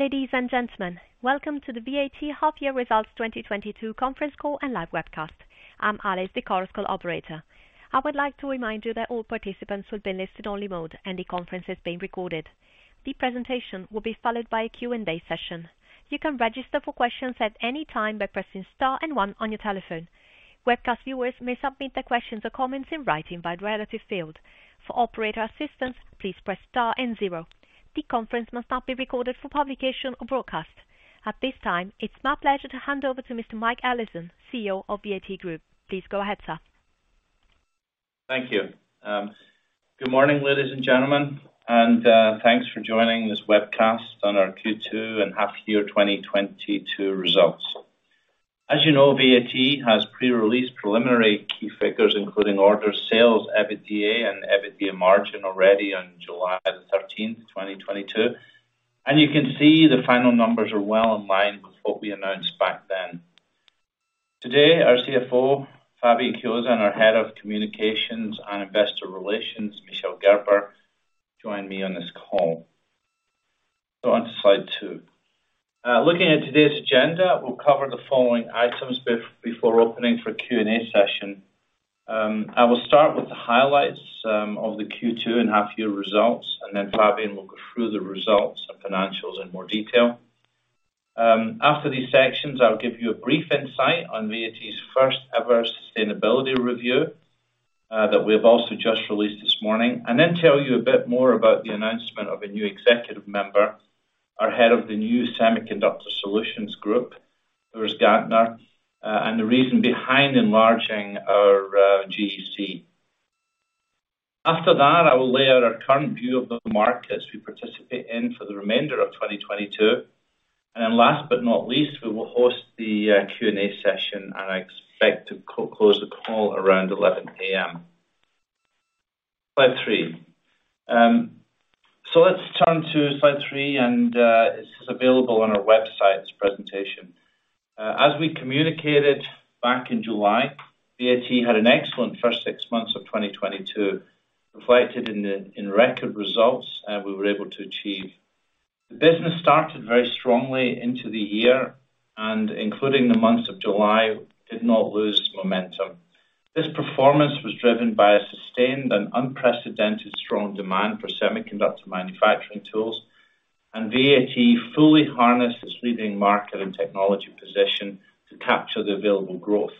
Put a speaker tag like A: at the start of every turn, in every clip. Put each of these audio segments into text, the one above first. A: Ladies and gentlemen, welcome to the VAT half year results 2022 conference call and live webcast. I'm Alice, the conference call operator. I would like to remind you that all participants will be in listen-only mode, and the conference is being recorded. The presentation will be followed by a Q&A session. You can register for questions at any time by pressing star and one on your telephone. Webcast viewers may submit their questions or comments in writing by the relevant field. For operator assistance, please press star and zero. The conference must not be recorded for publication or broadcast. At this time, it's my pleasure to hand over to Mr. Mike Allison, CEO of VAT Group. Please go ahead, sir.
B: Thank you. Good morning, ladies and gentlemen, and thanks for joining this webcast on our Q2 and half year 2022 results. As you know, VAT has pre-released preliminary key figures, including orders, sales, EBITDA and EBITDA margin already on July 13th, 2022. You can see the final numbers are well in line with what we announced back then. Today, our CFO, Fabian Chiozza, our Head of Communications and Investor Relations, Michel Gerber, join me on this call. Go on to slide two. Looking at today's agenda, we'll cover the following items before opening for Q&A session. I will start with the highlights of the Q2 and half year results, and then Fabian will go through the results and financials in more detail. After these sections, I'll give you a brief insight on VAT's first ever sustainability review that we have also just released this morning. Then tell you a bit more about the announcement of a new executive member, our head of the new Semiconductor Solutions Group, Urs Gantner, and the reason behind enlarging our GEC. After that, I will lay out our current view of the markets we participate in for the remainder of 2022. Last but not least, we will host the Q&A session, and I expect to close the call around 11:00 A.M. Slide three. Let's turn to slide three, and this is available on our website, this presentation. As we communicated back in July, VAT had an excellent first six months of 2022, reflected in record results we were able to achieve. The business started very strongly into the year and including the month of July, did not lose momentum. This performance was driven by a sustained and unprecedented strong demand for semiconductor manufacturing tools, and VAT fully harnessed its leading market and technology position to capture the available growth.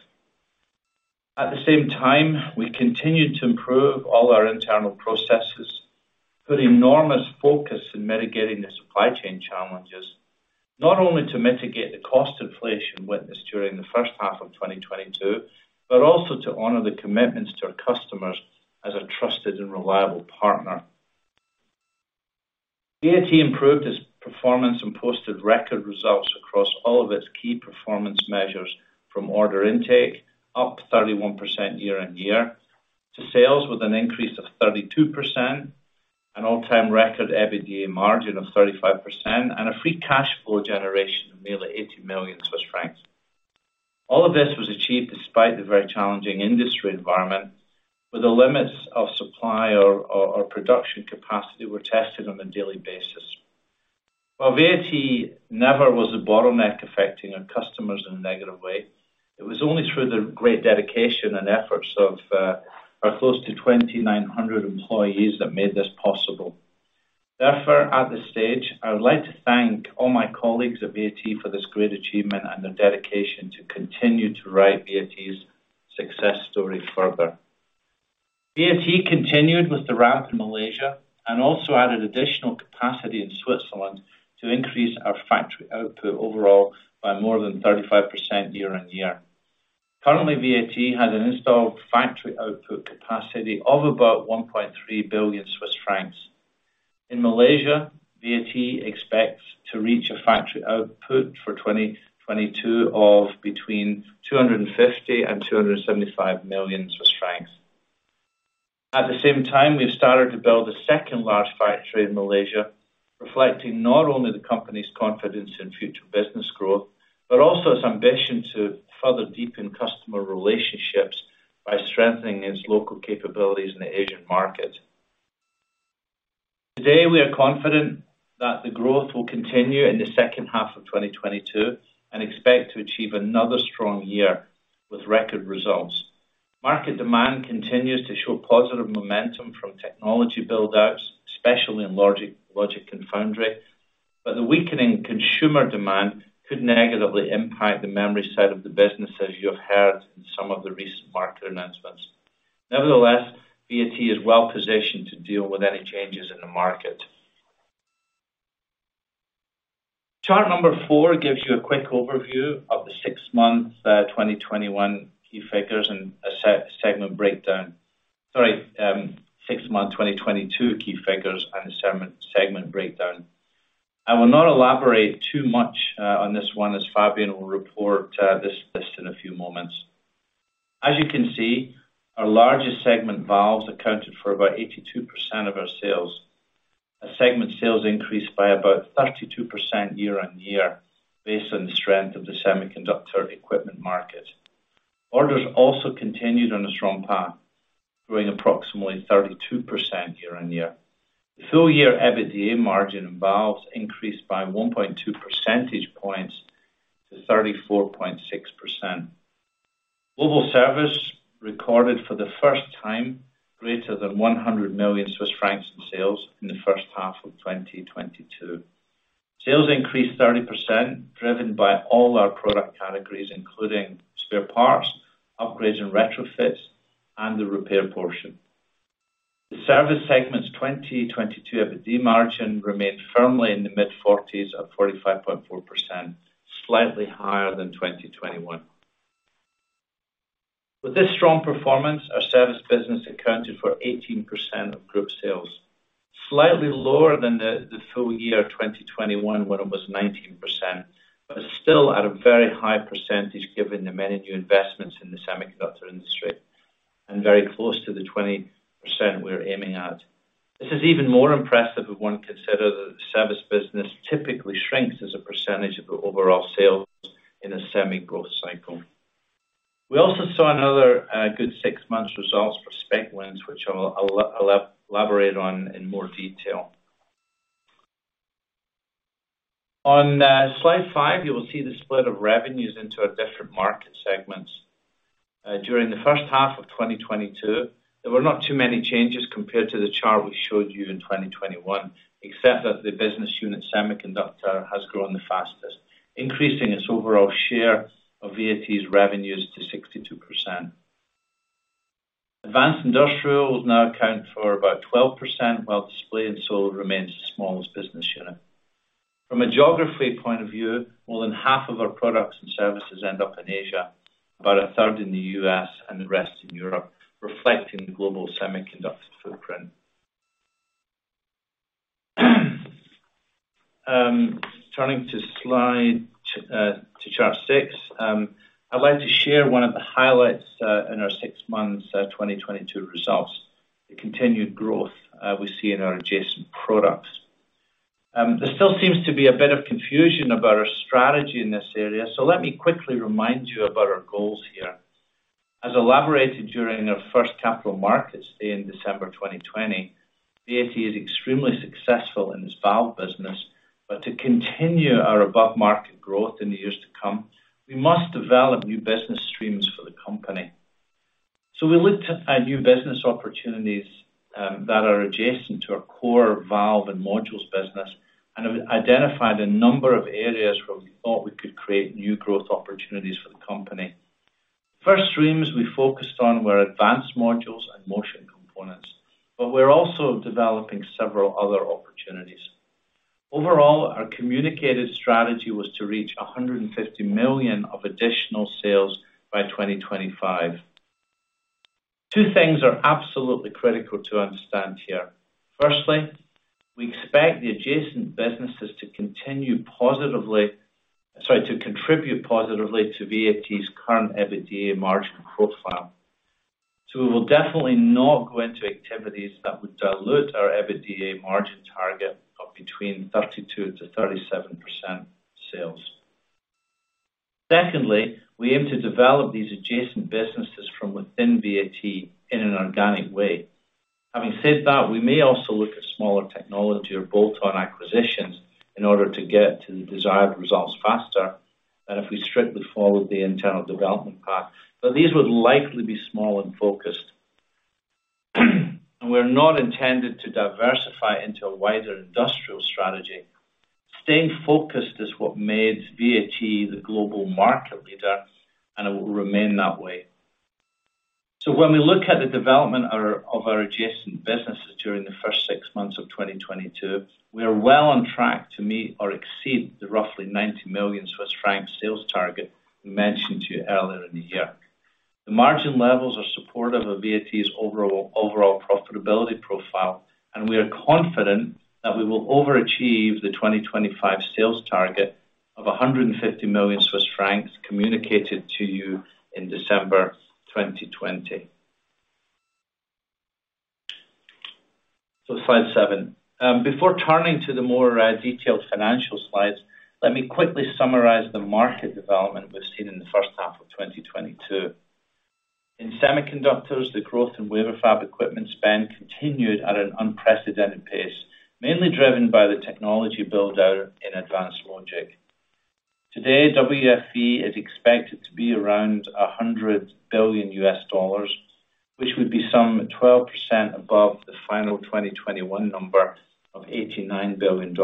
B: At the same time, we continued to improve all our internal processes, put enormous focus in mitigating the supply chain challenges, not only to mitigate the cost inflation witnessed during the first half of 2022, but also to honor the commitments to our customers as a trusted and reliable partner. VAT improved its performance and posted record results across all of its key performance measures, from order intake, up 31% year-on-year, to sales with an increase of 32%, an all-time record EBITDA margin of 35%, and a free cash flow generation of nearly 80 million Swiss francs. All of this was achieved despite the very challenging industry environment, where the limits of supply or production capacity were tested on a daily basis. While VAT never was a bottleneck affecting our customers in a negative way, it was only through the great dedication and efforts of our close to 2,900 employees that made this possible. Therefore, at this stage, I would like to thank all my colleagues at VAT for this great achievement and their dedication to continue to write VAT's success story further. VAT continued with the ramp in Malaysia and also added additional capacity in Switzerland to increase our factory output overall by more than 35% year-on-year. Currently, VAT has an installed factory output capacity of about 1.3 billion Swiss francs. In Malaysia, VAT expects to reach a factory output for 2022 of between 250 million and 275 million Swiss francs. At the same time, we've started to build a second large factory in Malaysia, reflecting not only the company's confidence in future business growth, but also its ambition to further deepen customer relationships by strengthening its local capabilities in the Asian market. Today, we are confident that the growth will continue in the second half of 2022 and expect to achieve another strong year with record results. Market demand continues to show positive momentum from technology build outs, especially in logic and foundry, but the weakening consumer demand could negatively impact the memory side of the business, as you have heard in some of the recent market announcements. Nevertheless, VAT is well positioned to deal with any changes in the market. Chart number four gives you a quick overview of the six-month 2021 key figures and a segment breakdown. I will not elaborate too much on this one as Fabian will report this list in a few moments. As you can see, our largest segment, Valves, accounted for about 82% of our sales. Segment sales increased by about 32% year-on-year based on the strength of the semiconductor equipment market. Orders also continued on a strong path, growing approximately 32% year-on-year. The full year EBITDA margin in Valves increased by 1.2 percentage points to 34.6%. Global Service recorded for the first time, greater than 100 million Swiss francs in sales in the first half of 2022. Sales increased 30%, driven by all our product categories, including spare parts, upgrades and retrofits, and the repair portion. The service segment's 2022 EBITDA margin remained firmly in the mid-forties of 45.4%, slightly higher than 2021. With this strong performance, our service business accounted for 18% of group sales, slightly lower than the full year 2021, when it was 19%, but still at a very high percentage given the many new investments in the semiconductor industry, and very close to the 20% we're aiming at. This is even more impressive if one consider that the service business typically shrinks as a percentage of the overall sales in a Semi growth cycle. We also saw another good six months results for spec wins, which I'll elaborate on in more detail. On slide five, you will see the split of revenues into our different market segments. During the first half of 2022, there were not too many changes compared to the chart we showed you in 2021, except that the business unit, Semiconductor, has grown the fastest, increasing its overall share of VAT's revenues to 62%. Advanced Industrial will now account for about 12%, while Display and Solar remains the smallest business unit. From a geography point of view, more than half of our products and services end up in Asia, about a third in the U.S., and the rest in Europe, reflecting the global semiconductor footprint. Turning to slide, to chart six, I'd like to share one of the highlights in our six months 2022 results, the continued growth we see in our adjacent products. There still seems to be a bit of confusion about our strategy in this area, so let me quickly remind you about our goals here. As elaborated during our first Capital Markets Day in December 2020, VAT is extremely successful in its valve business. To continue our above market growth in the years to come, we must develop new business streams for the company. We looked at new business opportunities, that are adjacent to our core valve and modules business and have identified a number of areas where we thought we could create new growth opportunities for the company. First streams we focused on were advanced modules and motion components, but we're also developing several other opportunities. Overall, our communicated strategy was to reach 150 million of additional sales by 2025. Two things are absolutely critical to understand here. Firstly, we expect the adjacent businesses to contribute positively to VAT's current EBITDA margin profile. We will definitely not go into activities that would dilute our EBITDA margin target of between 32%-37% sales. Secondly, we aim to develop these adjacent businesses from within VAT in an organic way. Having said that, we may also look at smaller technology or bolt-on acquisitions in order to get to the desired results faster than if we strictly followed the internal development path. These would likely be small and focused. We're not intended to diversify into a wider industrial strategy. Staying focused is what made VAT the global market leader, and it will remain that way. When we look at the development of our adjacent businesses during the first six months of 2022, we are well on track to meet or exceed the roughly 90 million Swiss francs sales target mentioned to you earlier in the year. The margin levels are supportive of VAT's overall profitability profile, and we are confident that we will overachieve the 2025 sales target of 150 million Swiss francs communicated to you in December 2020. Slide seven. Before turning to the more detailed financial slides, let me quickly summarize the market development we've seen in the first half of 2022. In semiconductors, the growth in wafer fab equipment spend continued at an unprecedented pace, mainly driven by the technology build-out in advanced logic. Today, WFE is expected to be around $100 billion, which would be some 12% above the final 2021 number of $89 billion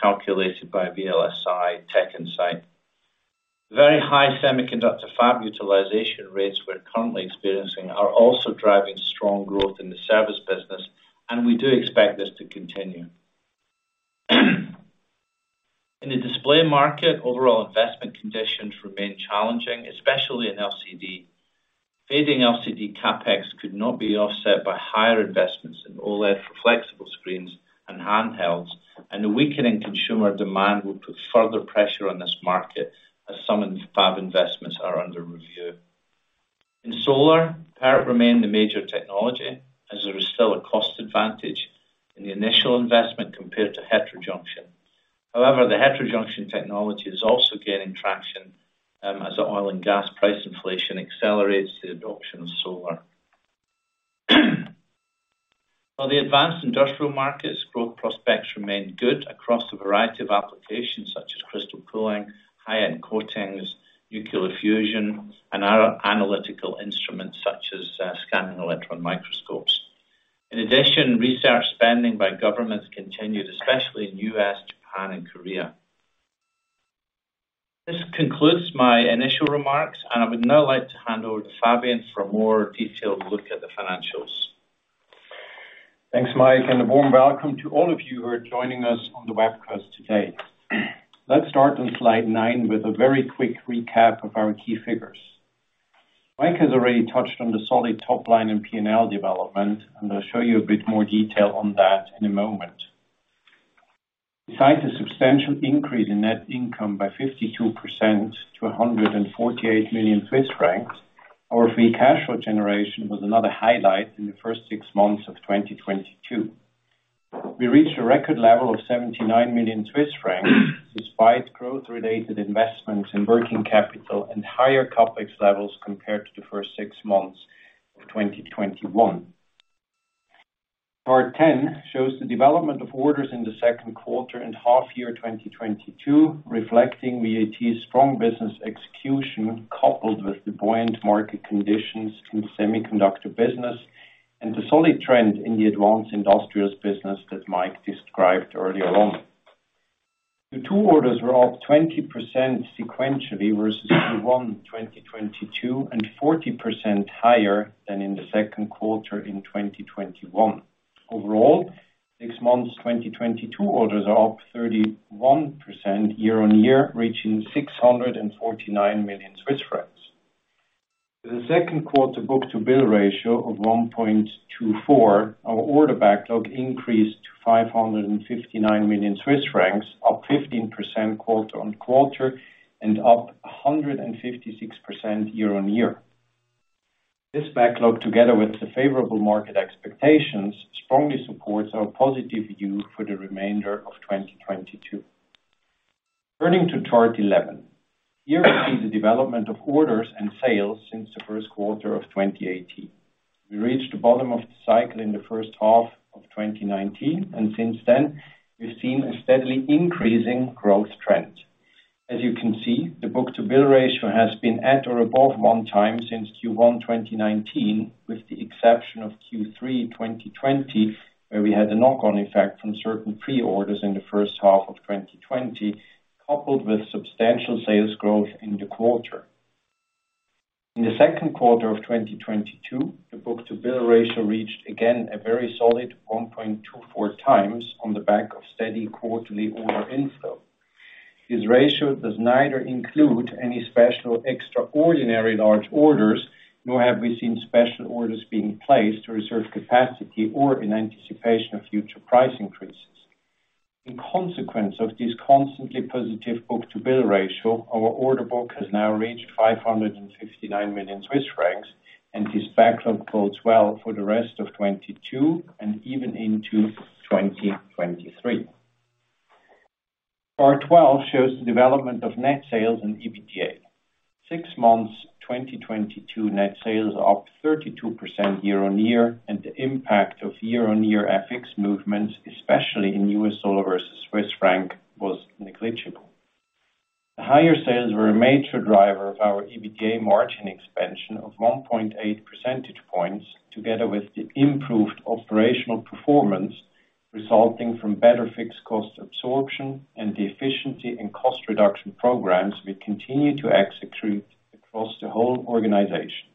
B: calculated by VLSI, TechInsights. Very high semiconductor fab utilization rates we're currently experiencing are also driving strong growth in the service business, and we do expect this to continue. In the Display market, overall investment conditions remain challenging, especially in LCD. Fading LCD CapEx could not be offset by higher investments in OLED for flexible screens and handhelds, and the weakening consumer demand will put further pressure on this market as some of the fab investments are under review. In Solar, PERC remained the major technology as there is still a cost advantage in the initial investment compared to heterojunction. However, the heterojunction technology is also gaining traction, as the oil and gas price inflation accelerates the adoption of solar. For the Advanced Industrial markets, growth prospects remain good across a variety of applications such as crystal cooling, high-end coatings, nuclear fusion, and analytical instruments such as scanning electron microscopes. In addition, research spending by governments continued, especially in U.S., Japan, and Korea. This concludes my initial remarks, and I would now like to hand over to Fabian for a more detailed look at the financials.
C: Thanks, Mike, and a warm welcome to all of you who are joining us on the webcast today. Let's start on slide nine with a very quick recap of our key figures. Mike has already touched on the solid top line and PnL development, and I'll show you a bit more detail on that in a moment. Besides a substantial increase in net income by 52% to 148 million Swiss francs, our free cash flow generation was another highlight in the first six months of 2022. We reached a record level of 79 million Swiss francs despite growth-related investments in working capital and higher CapEx levels compared to the first six months of 2021. Chart 10 shows the development of orders in the second quarter and half-year 2022 reflecting VAT's strong business execution, coupled with the buoyant market conditions in the semiconductor business and the solid trend in the advanced industrials business that Mike described earlier on. Q2 orders were up 20% sequentially versus Q1 2022, and 40% higher than in the second quarter in 2021. Overall, six months 2022 orders are up 31% year-on-year, reaching 649 million Swiss francs. With a second quarter book-to-bill ratio of 1.24, our order backlog increased to 559 million Swiss francs, up 15% quarter-on-quarter and up 156% year-on-year. This backlog, together with the favorable market expectations, strongly supports our positive view for the remainder of 2022. Turning to chart 11. Here we see the development of orders and sales since the first quarter of 2018. We reached the bottom of the cycle in the first half of 2019, and since then we've seen a steadily increasing growth trend. As you can see, the book-to-bill ratio has been at or above 1x since Q1 2019, with the exception of Q3 2020, where we had a knock-on effect from certain pre-orders in the first half of 2020, coupled with substantial sales growth in the quarter. In the second quarter of 2022, the book-to-bill ratio reached again a very solid 1.24x on the back of steady quarterly order inflow. This ratio does neither include any special extraordinary large orders, nor have we seen special orders being placed to reserve capacity or in anticipation of future price increases. In consequence of this constantly positive book-to-bill ratio, our order book has now reached 559 million Swiss francs, and this backlog bodes well for the rest of 2022 and even into 2023. Chart 12 shows the development of net sales and EBITDA. Six months, 2022 net sales are up 32% year-on-year, and the impact of year-on-year FX movements, especially in U.S. dollar versus Swiss franc, was negligible. The higher sales were a major driver of our EBITDA margin expansion of 1.8 percentage points, together with the improved operational performance resulting from better fixed cost absorption and the efficiency and cost reduction programs we continue to execute across the whole organization.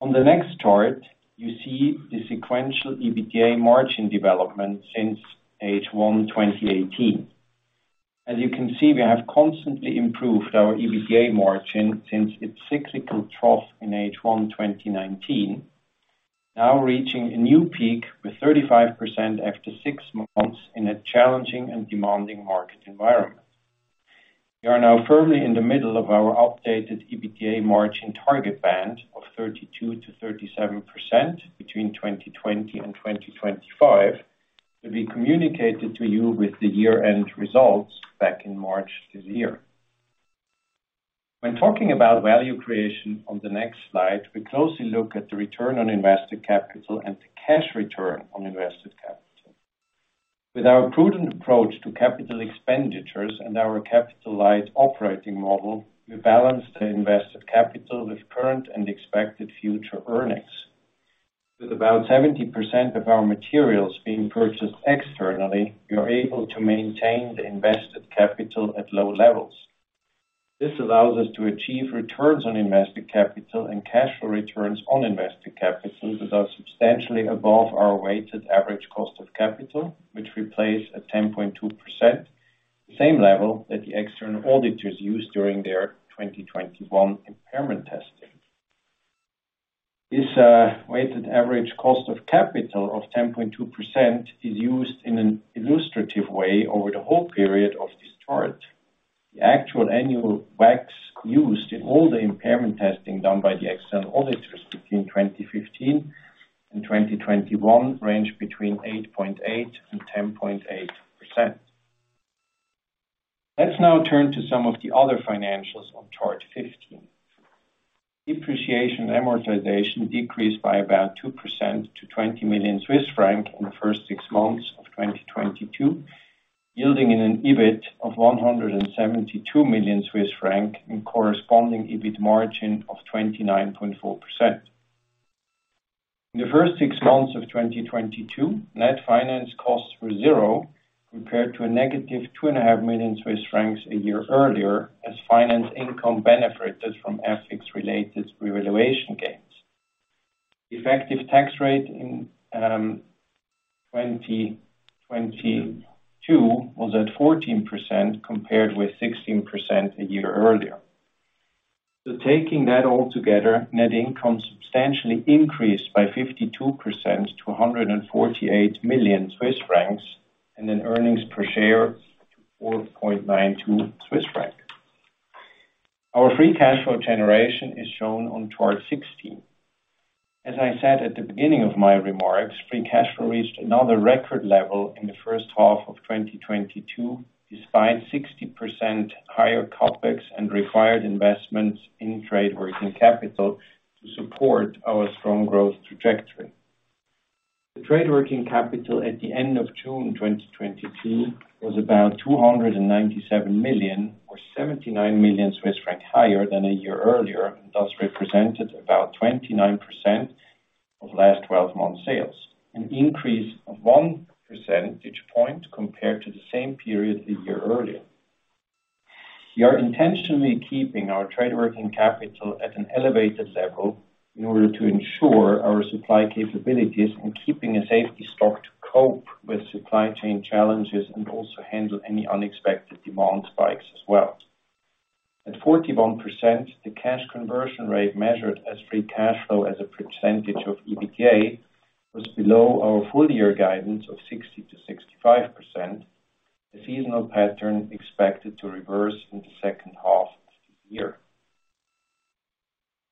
C: On the next chart, you see the sequential EBITDA margin development since H1 2018. As you can see, we have constantly improved our EBITDA margin since its cyclical trough in H1 2019, now reaching a new peak with 35% after six months in a challenging and demanding market environment. We are now firmly in the middle of our updated EBITDA margin target band of 32%-37% between 2020 and 2025, to be communicated to you with the year-end results back in March this year. When talking about value creation on the next slide, we closely look at the return on invested capital and the cash return on invested capital. With our prudent approach to capital expenditures and our capital light operating model, we balance the invested capital with current and expected future earnings. With about 70% of our materials being purchased externally, we are able to maintain the invested capital at low levels. This allows us to achieve returns on invested capital and cash returns on invested capital that are substantially above our weighted average cost of capital, which we place at 10.2%, the same level that the external auditors used during their 2021 impairment testing. This weighted average cost of capital of 10.2% is used in an illustrative way over the whole period of this chart. The actual annual WACCs used in all the impairment testing done by the external auditors between 2015 and 2021 range between 8.8% and 10.8%. Let's now turn to some of the other financials on chart 15. Depreciation amortization decreased by about 2% to 20 million Swiss franc in the first six months of 2022, yielding in an EBIT of 172 million Swiss franc and corresponding EBIT margin of 29.4%. In the first six months of 2022, net finance costs were zero compared to a -2.5 million Swiss francs a year earlier as finance income benefited from FX-related revaluation gains. Effective tax rate in 2022 was at 14% compared with 16% a year earlier. Taking that all together, net income substantially increased by 52% to 148 million Swiss francs, and then earnings per share 4.92 Swiss francs. Our free cash flow generation is shown on chart 16. As I said at the beginning of my remarks, free cash flow reached another record level in the first half of 2022, despite 60% higher CapEx and required investments in trade working capital to support our strong growth trajectory. The trade working capital at the end of June 2022 was about 297 million or 79 million Swiss francs higher than a year earlier, and thus represented about 29% of last twelve-month sales, an increase of 1 percentage point compared to the same period a year earlier. We are intentionally keeping our trade working capital at an elevated level in order to ensure our supply capabilities and keeping a safety stock to cope with supply chain challenges and also handle any unexpected demand spikes as well. At 41%, the cash conversion rate measured as free cash flow as a percentage of EBITDA was below our full-year guidance of 60%-65%. The seasonal pattern expected to reverse in the second half of the year.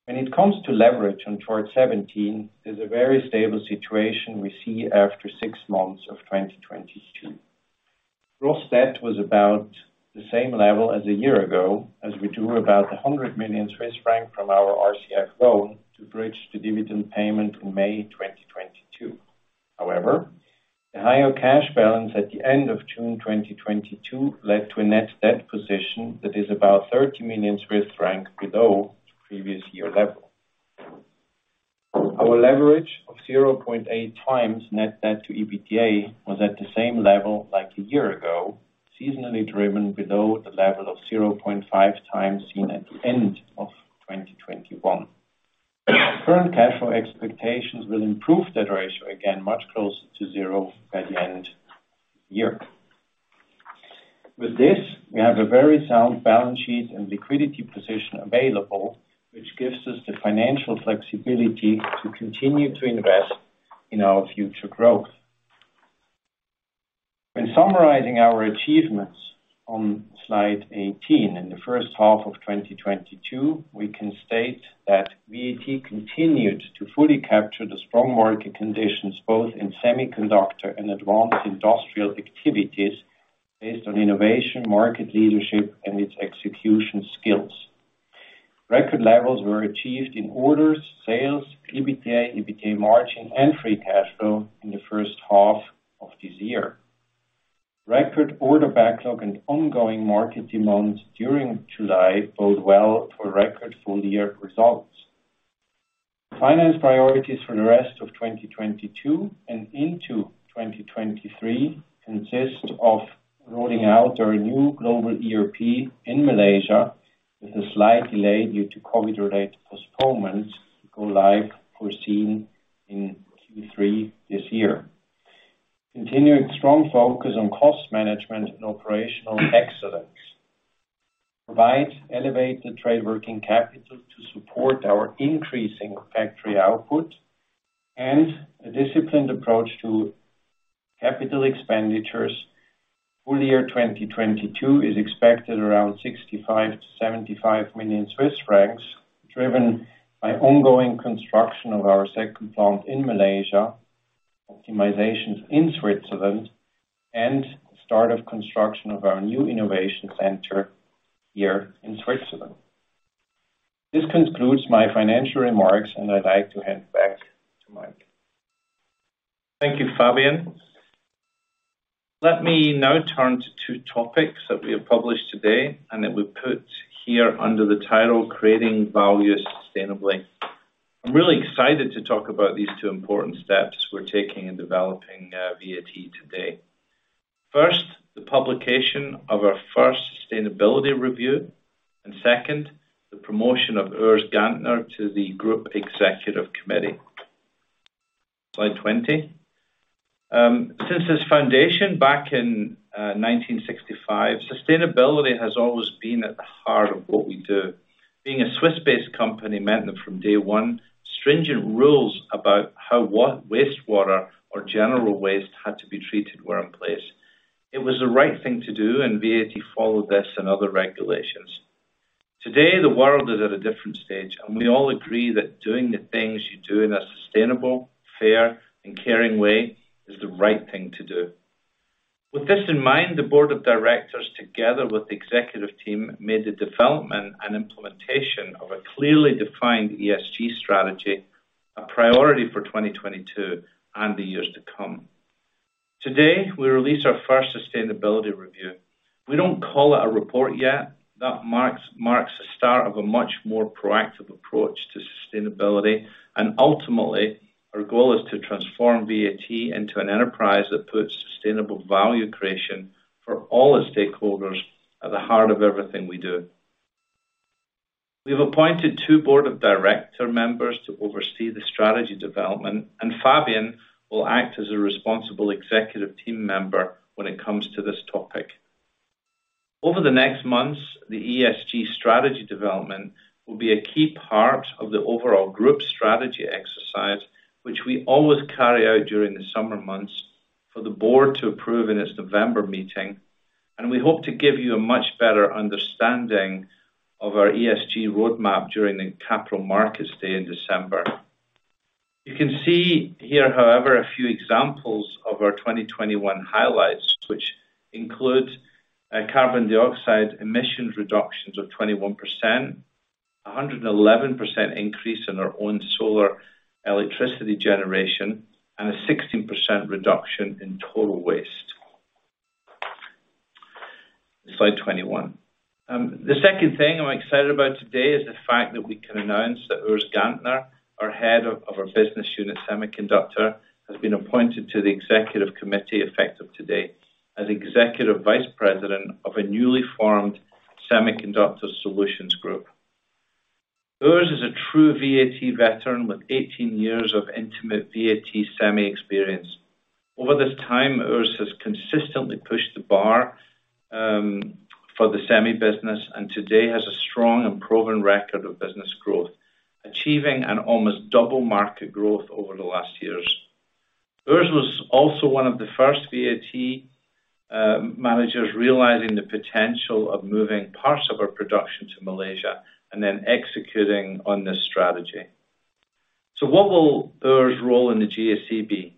C: When it comes to leverage on chart 17, there's a very stable situation we see after six months of 2022. Gross debt was about the same level as a year ago, as we drew about 100 million Swiss francs from our RCF loan to bridge the dividend payment in May 2022. However, the higher cash balance at the end of June 2022 led to a net debt position that is about 30 million Swiss francs below the previous year level. Our leverage of 0.8x net debt to EBITDA was at the same level like a year ago, seasonally driven below the level of 0.5x seen at the end of 2021. Current cash flow expectations will improve that ratio again much closer to zero by the end of the year. With this, we have a very sound balance sheet and liquidity position available, which gives us the financial flexibility to continue to invest in our future growth. When summarizing our achievements on slide 18 in the first half of 2022, we can state that VAT continued to fully capture the strong market conditions both in semiconductor and Advanced Industrial activities based on innovation, market leadership, and its execution skills. Record levels were achieved in orders, sales, EBITDA, EBITDA margin, and free cash flow in the first half of this year. Record order backlog and ongoing market demand during July bode well for record full-year results. Finance priorities for the rest of 2022 and into 2023 consist of rolling out our new global ERP in Malaysia with a slight delay due to COVID-related postponements to go live, foreseen in Q3 this year. Continued strong focus on cost management and operational excellence. Provide elevated trade working capital to support our increasing factory output and a disciplined approach to capital expenditures. Full year 2022 is expected around 65 million-75 million Swiss francs, driven by ongoing construction of our second plant in Malaysia, optimizations in Switzerland, and start of construction of our new innovation center here in Switzerland. This concludes my financial remarks, and I'd like to hand it back to Mike.
B: Thank you, Fabian. Let me now turn to two topics that we have published today and that we put here under the title Creating Value Sustainably. I'm really excited to talk about these two important steps we're taking in developing VAT today. First, the publication of our first sustainability review, and second, the promotion of Urs Gantner to the Group Executive Committee. Slide 20. Since its foundation back in 1965, sustainability has always been at the heart of what we do. Being a Swiss-based company meant that from day one, stringent rules about how wastewater or general waste had to be treated were in place. It was the right thing to do, and VAT followed this and other regulations. Today, the world is at a different stage, and we all agree that doing the things you do in a sustainable, fair, and caring way is the right thing to do. With this in mind, the board of directors, together with the executive team, made the development and implementation of a clearly defined ESG strategy a priority for 2022 and the years to come. Today, we release our first sustainability review. We don't call it a report yet. That marks the start of a much more proactive approach to sustainability. Ultimately, our goal is to transform VAT into an enterprise that puts sustainable value creation for all its stakeholders at the heart of everything we do. We have appointed two board of director members to oversee the strategy development, and Fabian will act as a responsible executive team member when it comes to this topic. Over the next months, the ESG strategy development will be a key part of the overall group strategy exercise, which we always carry out during the summer months for the board to approve in its November meeting. We hope to give you a much better understanding of our ESG roadmap during the Capital Markets Day in December. You can see here, however, a few examples of our 2021 highlights, which include, carbon dioxide emissions reductions of 21%, a 111% increase in our own solar electricity generation, and a 16% reduction in total waste. Slide 21. The second thing I'm excited about today is the fact that we can announce that Urs Gantner, our head of our business unit Semiconductor, has been appointed to the Executive Committee effective today as Executive Vice President of a newly formed Semiconductor Solutions Group. Urs is a true VAT veteran with 18 years of intimate VAT Semi experience. Over this time, Urs has consistently pushed the bar for the Semi business, and today has a strong and proven record of business growth, achieving an almost double market growth over the last years. Urs was also one of the first VAT managers realizing the potential of moving parts of our production to Malaysia and then executing on this strategy. What will Urs role in the GEC be?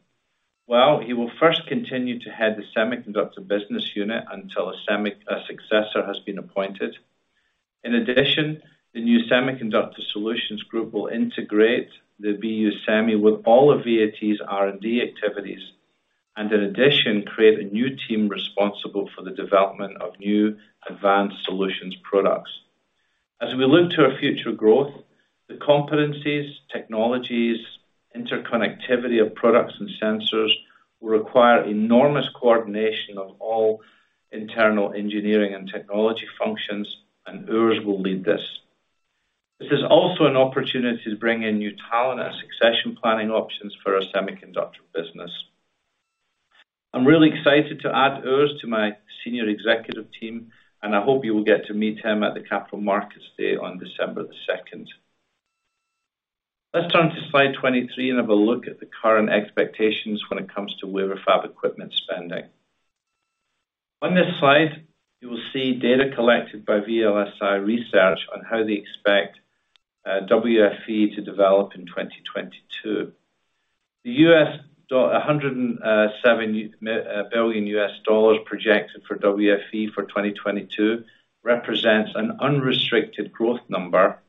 B: Well, he will first continue to head the Semiconductor business unit until a successor has been appointed. In addition, the new Semiconductor Solutions Group will integrate the BU Semi with all of VAT's R&D activities, and in addition, create a new team responsible for the development of new advanced solutions products. As we look to our future growth, the competencies, technologies, interconnectivity of products and sensors will require enormous coordination of all internal engineering and technology functions, and Urs will lead this. This is also an opportunity to bring in new talent and succession planning options for our Semiconductor business. I'm really excited to add Urs to my senior executive team, and I hope you will get to meet him at the Capital Markets Day on December 2nd. Let's turn to slide 23 and have a look at the current expectations when it comes to wafer fab equipment spending. On this slide, you will see data collected by VLSI Research on how they expect WFE to develop in 2022. $107 billion projected for WFE for 2022 represents an unrestricted growth number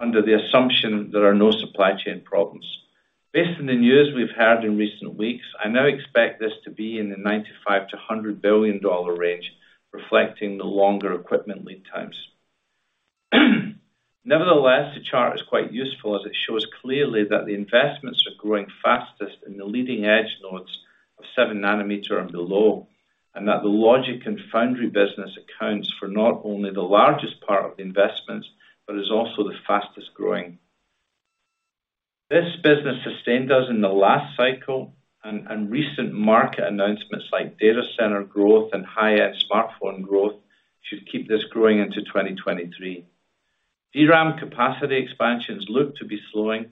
B: under the assumption there are no supply chain problems. Based on the news we've heard in recent weeks, I now expect this to be in the $95 billion-$100 billion range, reflecting the longer equipment lead times. Nevertheless, the chart is quite useful as it shows clearly that the investments are growing fastest in the leading-edge nodes of 7 nm and below, and that the logic and foundry business accounts for not only the largest part of the investments, but is also the fastest-growing. This business sustained us in the last cycle and recent market announcements like data center growth and high-end smartphone growth should keep this growing into 2023. DRAM capacity expansions look to be slowing,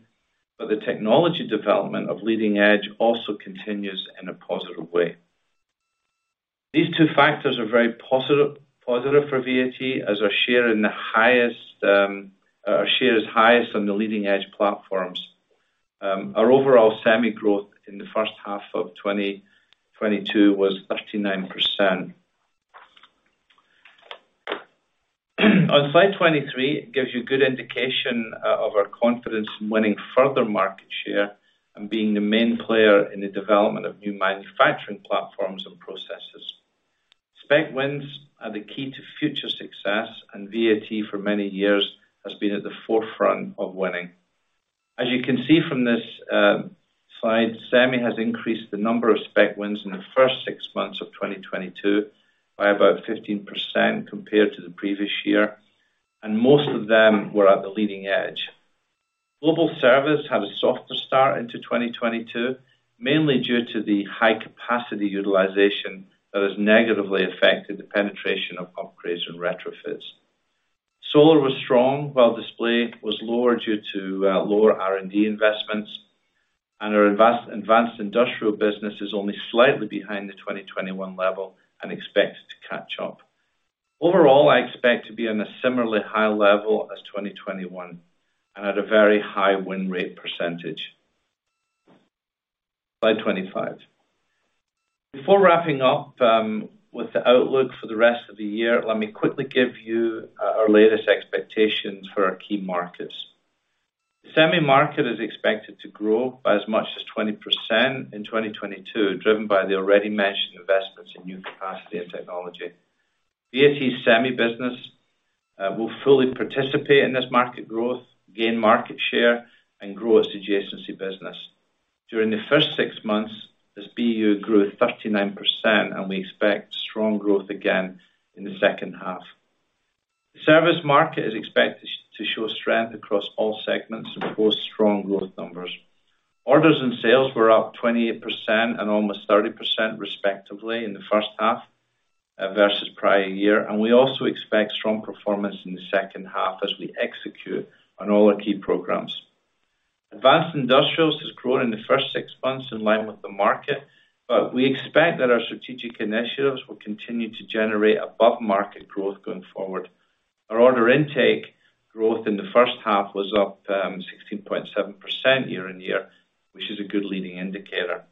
B: but the technology development of leading edge also continues in a positive way. These two factors are very positive for VAT as our share in the highest, our share is highest on the leading edge platforms. Our overall Semi growth in the first half of 2022 was 39%. On slide 23, it gives you good indication of our confidence in winning further market share and being the main player in the development of new manufacturing platforms and processes. Spec wins are the key to future success, and VAT for many years has been at the forefront of winning. As you can see from this slide, Semi has increased the number of spec wins in the first six months of 2022 by about 15% compared to the previous year, and most of them were at the leading edge. Global Service had a softer start into 2022, mainly due to the high capacity utilization that has negatively affected the penetration of upgrades and retrofits. Solar was strong while Display was lower due to lower R&D investments, and our Advanced Industrial business is only slightly behind the 2021 level and expected to catch up. Overall, I expect to be on a similarly high level as 2021 and at a very high win rate percentage. Slide 25. Before wrapping up with the outlook for the rest of the year, let me quickly give you our latest expectations for our key markets. The Semi market is expected to grow by as much as 20% in 2022, driven by the already mentioned investments in new capacity and technology. VAT Semi business will fully participate in this market growth, gain market share, and grow its adjacency business. During the first six months, this BU grew 39%, and we expect strong growth again in the second half. The Service market is expected to show strength across all segments and post strong growth numbers. Orders and sales were up 28% and almost 30% respectively in the first half versus prior year, and we also expect strong performance in the second half as we execute on all our key programs. Advanced Industrials has grown in the first six months in line with the market, but we expect that our strategic initiatives will continue to generate above-market growth going forward. Our order intake growth in the first half was up 16.7% year-on-year, which is a good leading indicator.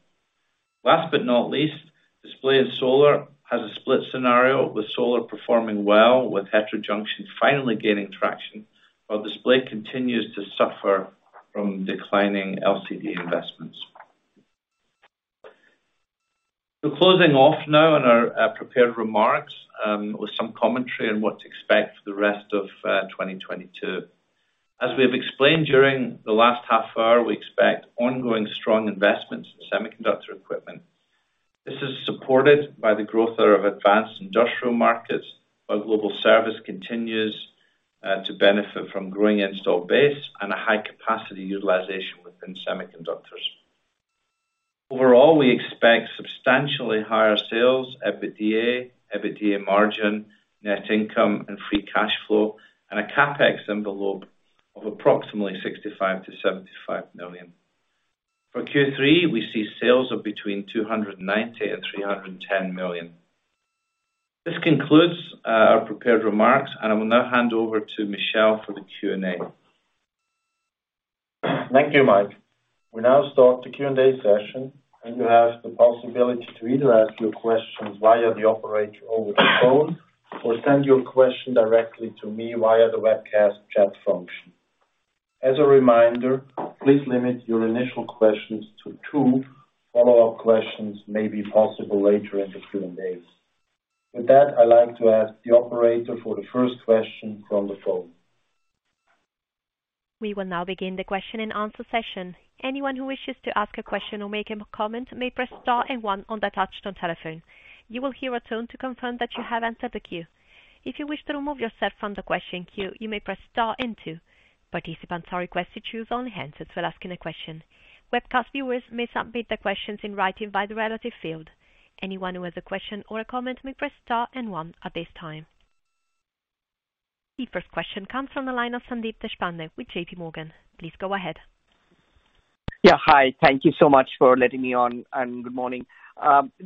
B: Last but not least, Display and Solar has a split scenario, with Solar performing well, with heterojunction finally gaining traction, while Display continues to suffer from declining LCD investments. Closing off now on our prepared remarks with some commentary on what to expect for the rest of 2022. As we have explained during the last half hour, we expect ongoing strong investments in semiconductor equipment. This is supported by the growth of Advanced Industrial markets, while Global Service continues to benefit from growing install base and a high-capacity utilization within semiconductors. Overall, we expect substantially higher sales, EBITDA, EBITDA margin, net income, and free cash flow, and a CapEx envelope of approximately 65 million-75 million. For Q3, we see sales of between 290 million and 310 million. This concludes our prepared remarks, and I will now hand over to Michel for the Q&A.
D: Thank you, Mike. We now start the Q&A session, and you have the possibility to either ask your questions via the operator over the phone or send your question directly to me via the webcast chat function. As a reminder, please limit your initial questions to two. Follow-up questions may be possible later in the Q&A. With that, I'd like to ask the operator for the first question from the phone.
A: We will now begin the Q&A session. Anyone who wishes to ask a question or make a comment may press star and one on the touchtone telephone. You will hear a tone to confirm that you have entered the queue. If you wish to remove yourself from the question queue, you may press star and two. Participants are requested to unmute themselves while asking a question. Webcast viewers may submit their questions in writing via the relevant field. Anyone who has a question or a comment may press star and one at this time. The first question comes from the line of Sandeep Deshpande with JPMorgan. Please go ahead.
E: Yeah. Hi, thank you so much for letting me on, and good morning.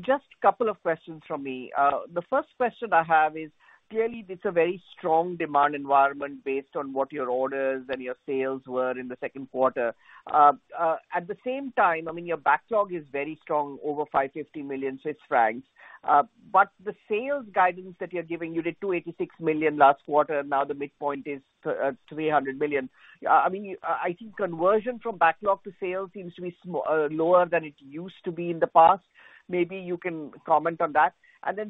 E: Just a couple of questions from me. The first question I have is, clearly this is a very strong demand environment based on what your orders and your sales were in the second quarter. At the same time, I mean, your backlog is very strong, over 550 million Swiss francs. But the sales guidance that you're giving, you did 286 million last quarter, now the midpoint is 300 million. I mean, I think conversion from backlog to sales seems to be lower than it used to be in the past. Maybe you can comment on that.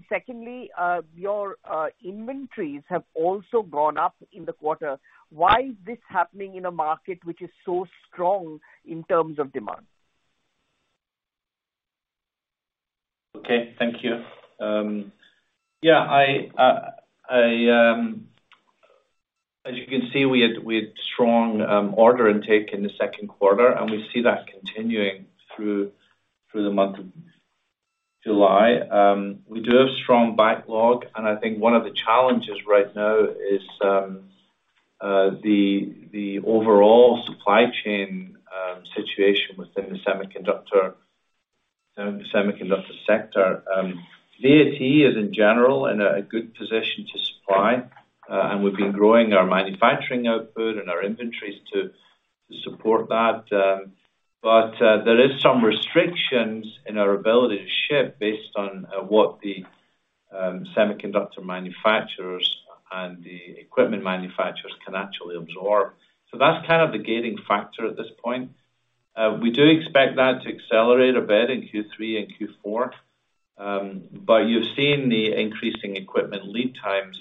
E: Secondly, your inventories have also gone up in the quarter. Why is this happening in a market which is so strong in terms of demand?
B: Okay. Thank you. Yeah, as you can see, we had strong order intake in the second quarter, and we see that continuing through the month of July. We do have strong backlog, and I think one of the challenges right now is the overall supply chain situation within the semiconductor sector. VAT is in general in a good position to supply, and we've been growing our manufacturing output and our inventories to support that. There is some restrictions in our ability to ship based on what the semiconductor manufacturers and the equipment manufacturers can actually absorb. That's kind of the gating factor at this point. We do expect that to accelerate a bit in Q3 and Q4. You've seen the increasing equipment lead times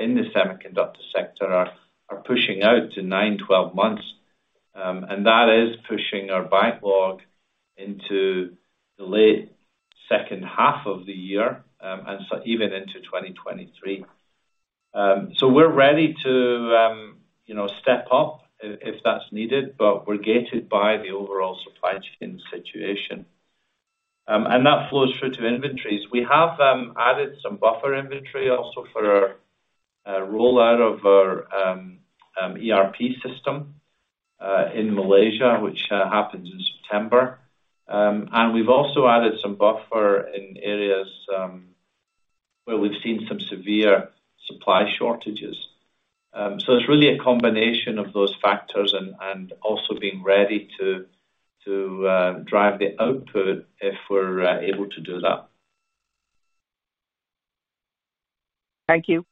B: in the semiconductor sector are pushing out to 9-12 months. That is pushing our backlog into the late second half of the year, and so even into 2023. We're ready to, you know, step up if that's needed, but we're gated by the overall supply chain situation. That flows through to inventories. We have added some buffer inventory also for our rollout of our ERP system in Malaysia, which happens in September. We've also added some buffer in areas where we've seen some severe supply shortages. It's really a combination of those factors and also being ready to drive the output if we're able to do that.
E: Thank you.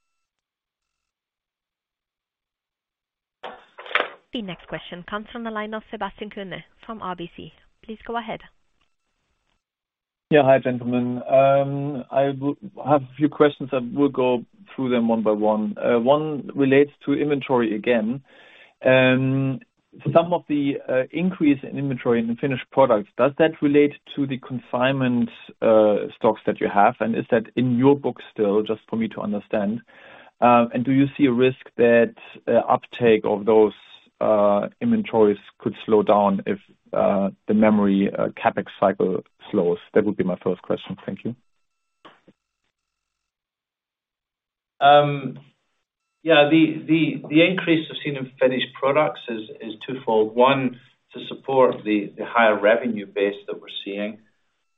A: The next question comes from the line of Sebastian Kuenne from RBC. Please go ahead.
F: Yeah. Hi, gentlemen. I have a few questions. I will go through them one by one. One relates to inventory again. Some of the increase in inventory in the finished products, does that relate to the consignment stocks that you have? Is that in your book still, just for me to understand? Do you see a risk that uptake of those inventories could slow down if the memory CapEx cycle slows? That would be my first question. Thank you.
B: Yeah, the increase we've seen in finished products is twofold, one, to support the higher revenue base that we're seeing,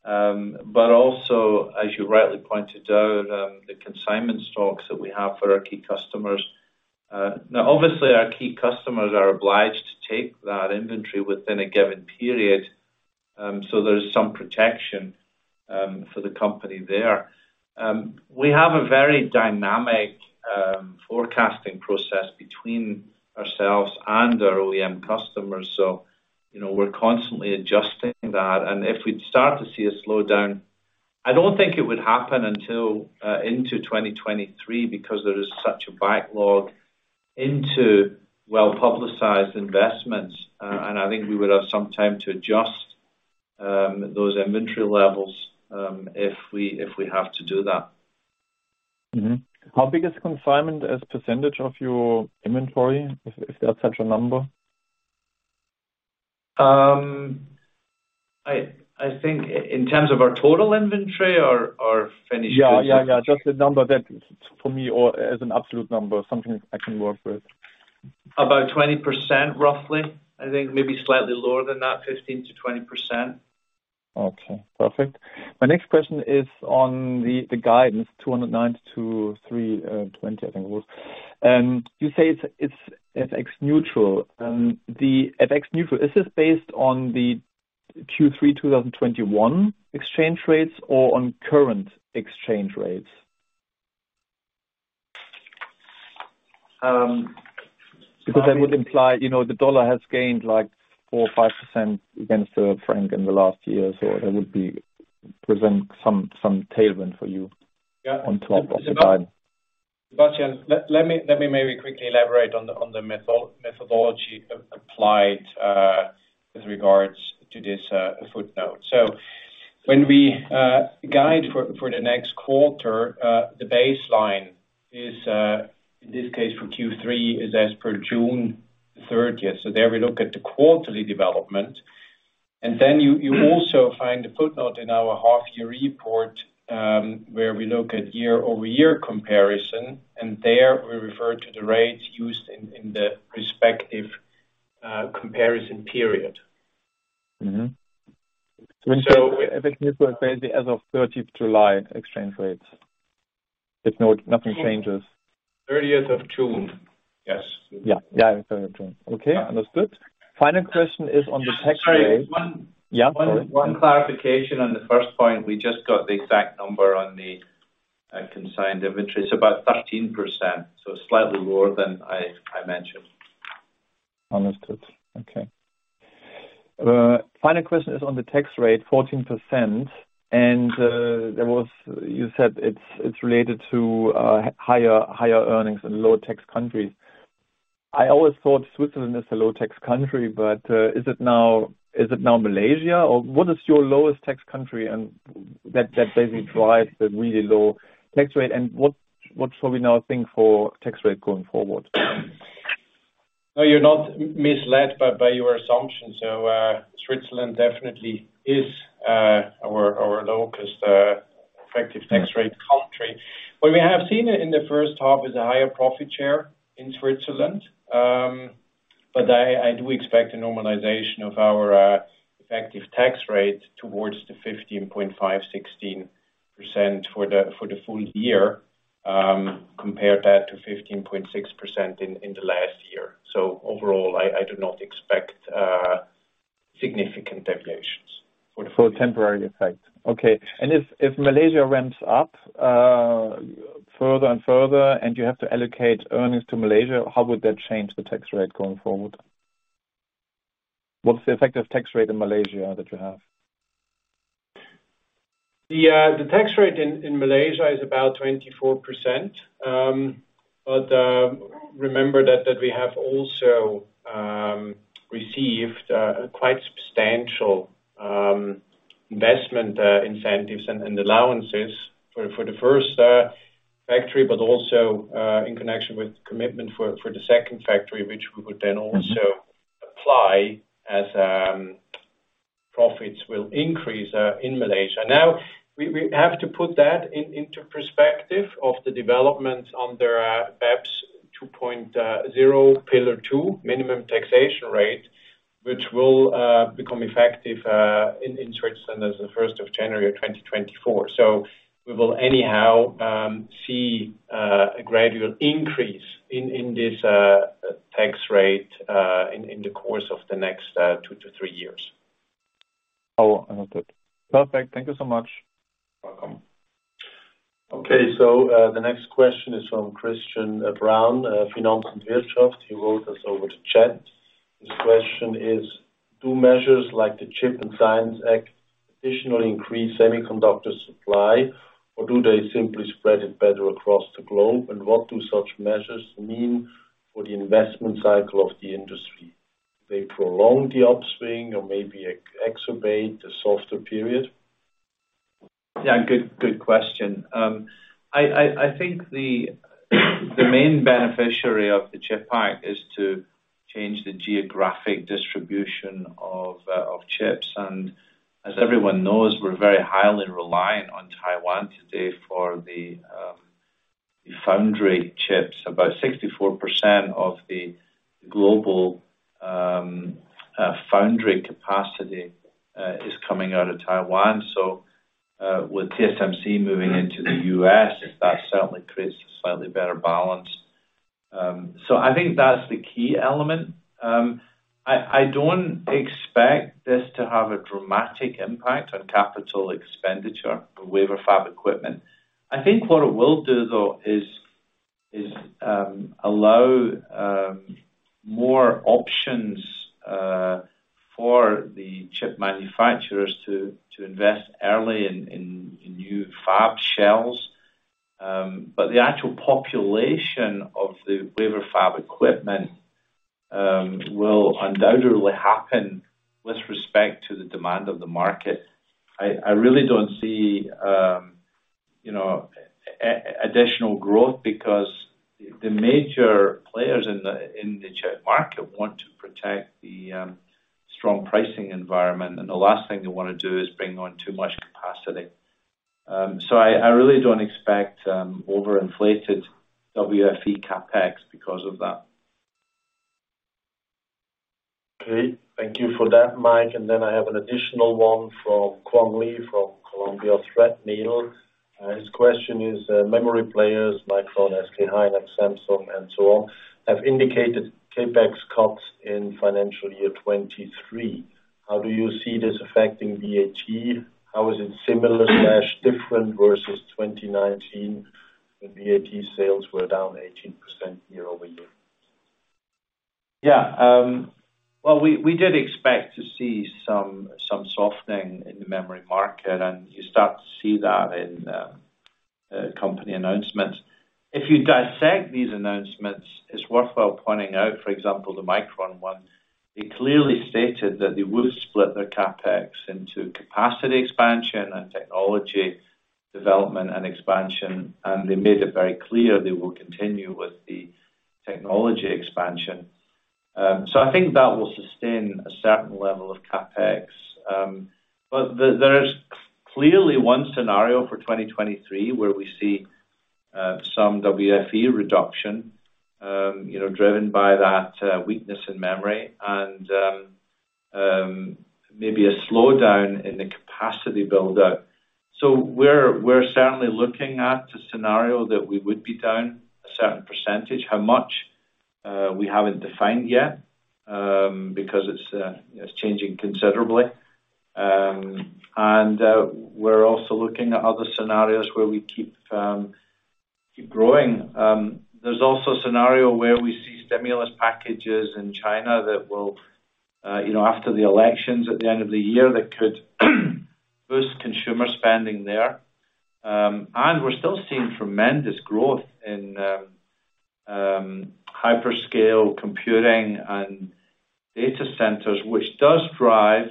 B: but also, as you rightly pointed out, the consignment stocks that we have for our key customers. Now, obviously, our key customers are obliged to take that inventory within a given period, so there's some protection for the company there. We have a very dynamic forecasting process between ourselves and our OEM customers, so, you know, we're constantly adjusting that. If we'd start to see a slowdown, I don't think it would happen until into 2023 because there is such a backlog into well-publicized investments, and I think we would have some time to adjust those inventory levels, if we have to do that.
F: How big is consignment as percentage of your inventory if there are such a number?
B: I think in terms of our total inventory or finished goods?
F: Yeah, just the number that for me or as an absolute number, something I can work with.
B: About 20%, roughly. I think maybe slightly lower than that, 15%-20%.
F: Okay. Perfect. My next question is on the guidance, 209-320, I think it was. You say it's FX neutral. The FX neutral, is this based on the Q3 2021 exchange rates or on current exchange rates? Because that would imply, you know, the dollar has gained, like, 4% or 5% against the Swiss franc in the last year. That would present some tailwind for you. On top of the guide.
C: Sebastian, let me maybe quickly elaborate on the methodology applied with regards to this footnote. When we guide for the next quarter, the baseline is, in this case for Q3, as per June 30th, there we look at the quarterly development. Then you also find a footnote in our half-year report, where we look at year-over-year comparison, and there we refer to the rates used in the respective comparison period.
F: FX neutral is basically as of 30th July exchange rates, if nothing changes.
C: 30th of June. Yes.
F: Yeah. Yeah, 30th of June. Okay. Understood. Final question is on the tax rate. Yeah. Sorry.
C: One clarification on the first point. We just got the exact number on the consigned inventory. It's about 13%, so slightly lower than I mentioned.
F: Understood. Okay. Final question is on the tax rate, 14%. You said it's related to higher earnings in low tax countries. I always thought Switzerland is a low tax country, but is it now Malaysia? Or what is your lowest tax country and that basically drives the really low tax rate, and what shall we now think for tax rate going forward?
C: No, you're not misled by your assumption. Switzerland definitely is our lowest effective tax rate country. What we have seen in the first half is a higher profit share in Switzerland. I do expect a normalization of our effective tax rate towards the 15.5%-16% for the full year, compare that to 15.6% in the last year. Overall, I do not expect significant deviations.
F: For temporary effect. Okay. If Malaysia ramps up further and further and you have to allocate earnings to Malaysia, how would that change the tax rate going forward? What's the effective tax rate in Malaysia that you have?
C: The tax rate in Malaysia is about 24%, but remember that we have also received a quite substantial investment incentives and allowances for the first factory, but also in connection with commitment for the second factory, which we would then also apply as profits will increase in Malaysia. Now we have to put that into perspective of the developments under BEPS 2.0, Pillar Two, minimum taxation rate, which will become effective in Switzerland as the first of January 2024. We will anyhow see a gradual increase in this tax rate in the course of the next two to three years.
F: Oh, understood. Perfect. Thank you so much.
B: Welcome.
D: The next question is from Christian Braun, Finanz und Wirtschaft. He wrote us over to chat. His question is: Do measures like the CHIPS and Science Act additionally increase semiconductor supply, or do they simply spread it better across the globe? What do such measures mean for the investment cycle of the industry? Do they prolong the upswing or maybe exacerbate the softer period?
B: Yeah, good question. I think the main beneficiary of the CHIPS Act is to change the geographic distribution of chips. As everyone knows, we're very highly reliant on Taiwan today for the foundry chips. About 64% of the global foundry capacity is coming out of Taiwan. With TSMC moving into the U.S., that certainly creates a slightly better balance. I think that's the key element. I don't expect this to have a dramatic impact on capital expenditure for wafer fab equipment. I think what it will do though is allow more options for the chip manufacturers to invest early in new fab shells. The actual population of the wafer fab equipment will undoubtedly happen with respect to the demand of the market. I really don't see, you know, additional growth because the major players in the chip market want to protect the strong pricing environment, and the last thing they wanna do is bring on too much capacity. I really don't expect over-inflated WFE CapEx because of that.
D: Okay. Thank you for that, Mike. I have an additional one from Kwan Lee from Columbia Threadneedle. His question is, memory players, Micron, SK hynix, Samsung and so on, have indicated CapEx cuts in financial year 2023. How do you see this affecting VAT? How is it similar/different versus 2019 when VAT sales were down 18% year-over-year?
B: Yeah. Well, we did expect to see some softening in the memory market, and you start to see that in company announcements. If you dissect these announcements, it's worthwhile pointing out, for example, the Micron one. They clearly stated that they would split their CapEx into capacity expansion and technology development and expansion, and they made it very clear they will continue with the technology expansion. I think that will sustain a certain level of CapEx. There's clearly one scenario for 2023 where we see some WFE reduction, you know, driven by that weakness in memory and maybe a slowdown in the capacity build-out. We're certainly looking at a scenario that we would be down a certain percentage. How much we haven't defined yet, because it's changing considerably. We're also looking at other scenarios where we keep growing. There's also a scenario where we see stimulus packages in China that will, you know, after the elections at the end of the year, that could boost consumer spending there. We're still seeing tremendous growth in hyperscale computing and data centers, which does drive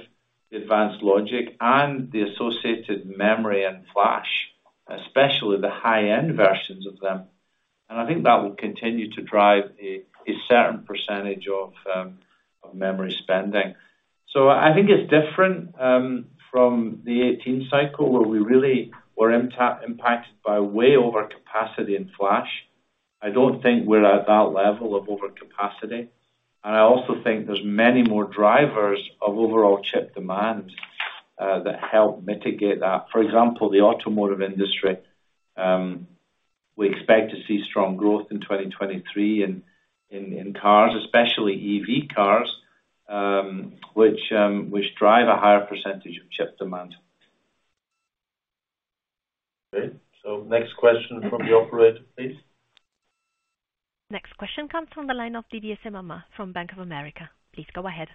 B: advanced logic and the associated memory and flash, especially the high-end versions of them. I think that will continue to drive a certain percentage of memory spending. I think it's different from the eighteen cycle, where we really were impacted by way over capacity and flash. I don't think we're at that level of overcapacity, and I also think there's many more drivers of overall chip demand that help mitigate that. For example, the automotive industry, we expect to see strong growth in 2023 in cars, especially EV cars, which drive a higher percentage of chip demand.
D: Okay. Next question from the operator, please.
A: Next question comes from the line of Didier Scemama from Bank of America. Please go ahead.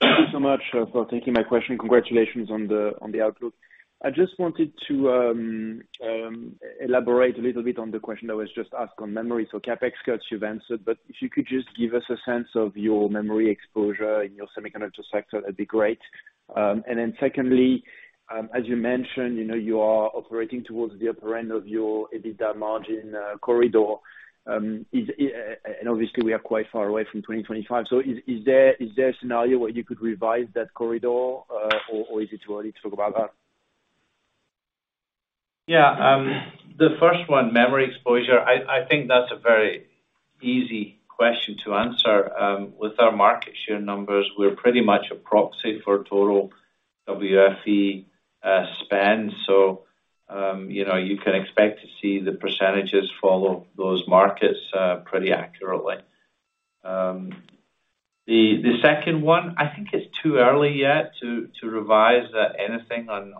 G: Thank you so much for taking my question. Congratulations on the outlook. I just wanted to elaborate a little bit on the question that was just asked on memory. CapEx cuts you've answered, but if you could just give us a sense of your memory exposure in your semiconductor sector, that'd be great. And then secondly, as you mentioned, you know, you are operating towards the upper end of your EBITDA margin corridor. Is it? And obviously we are quite far away from 2025, so is there a scenario where you could revise that corridor, or is it too early to talk about that?
B: Yeah. The first one, memory exposure, I think that's a very easy question to answer. With our market share numbers, we're pretty much a proxy for total WFE spend. You know, you can expect to see the percentages follow those markets pretty accurately. The second one, I think it's too early yet to revise anything on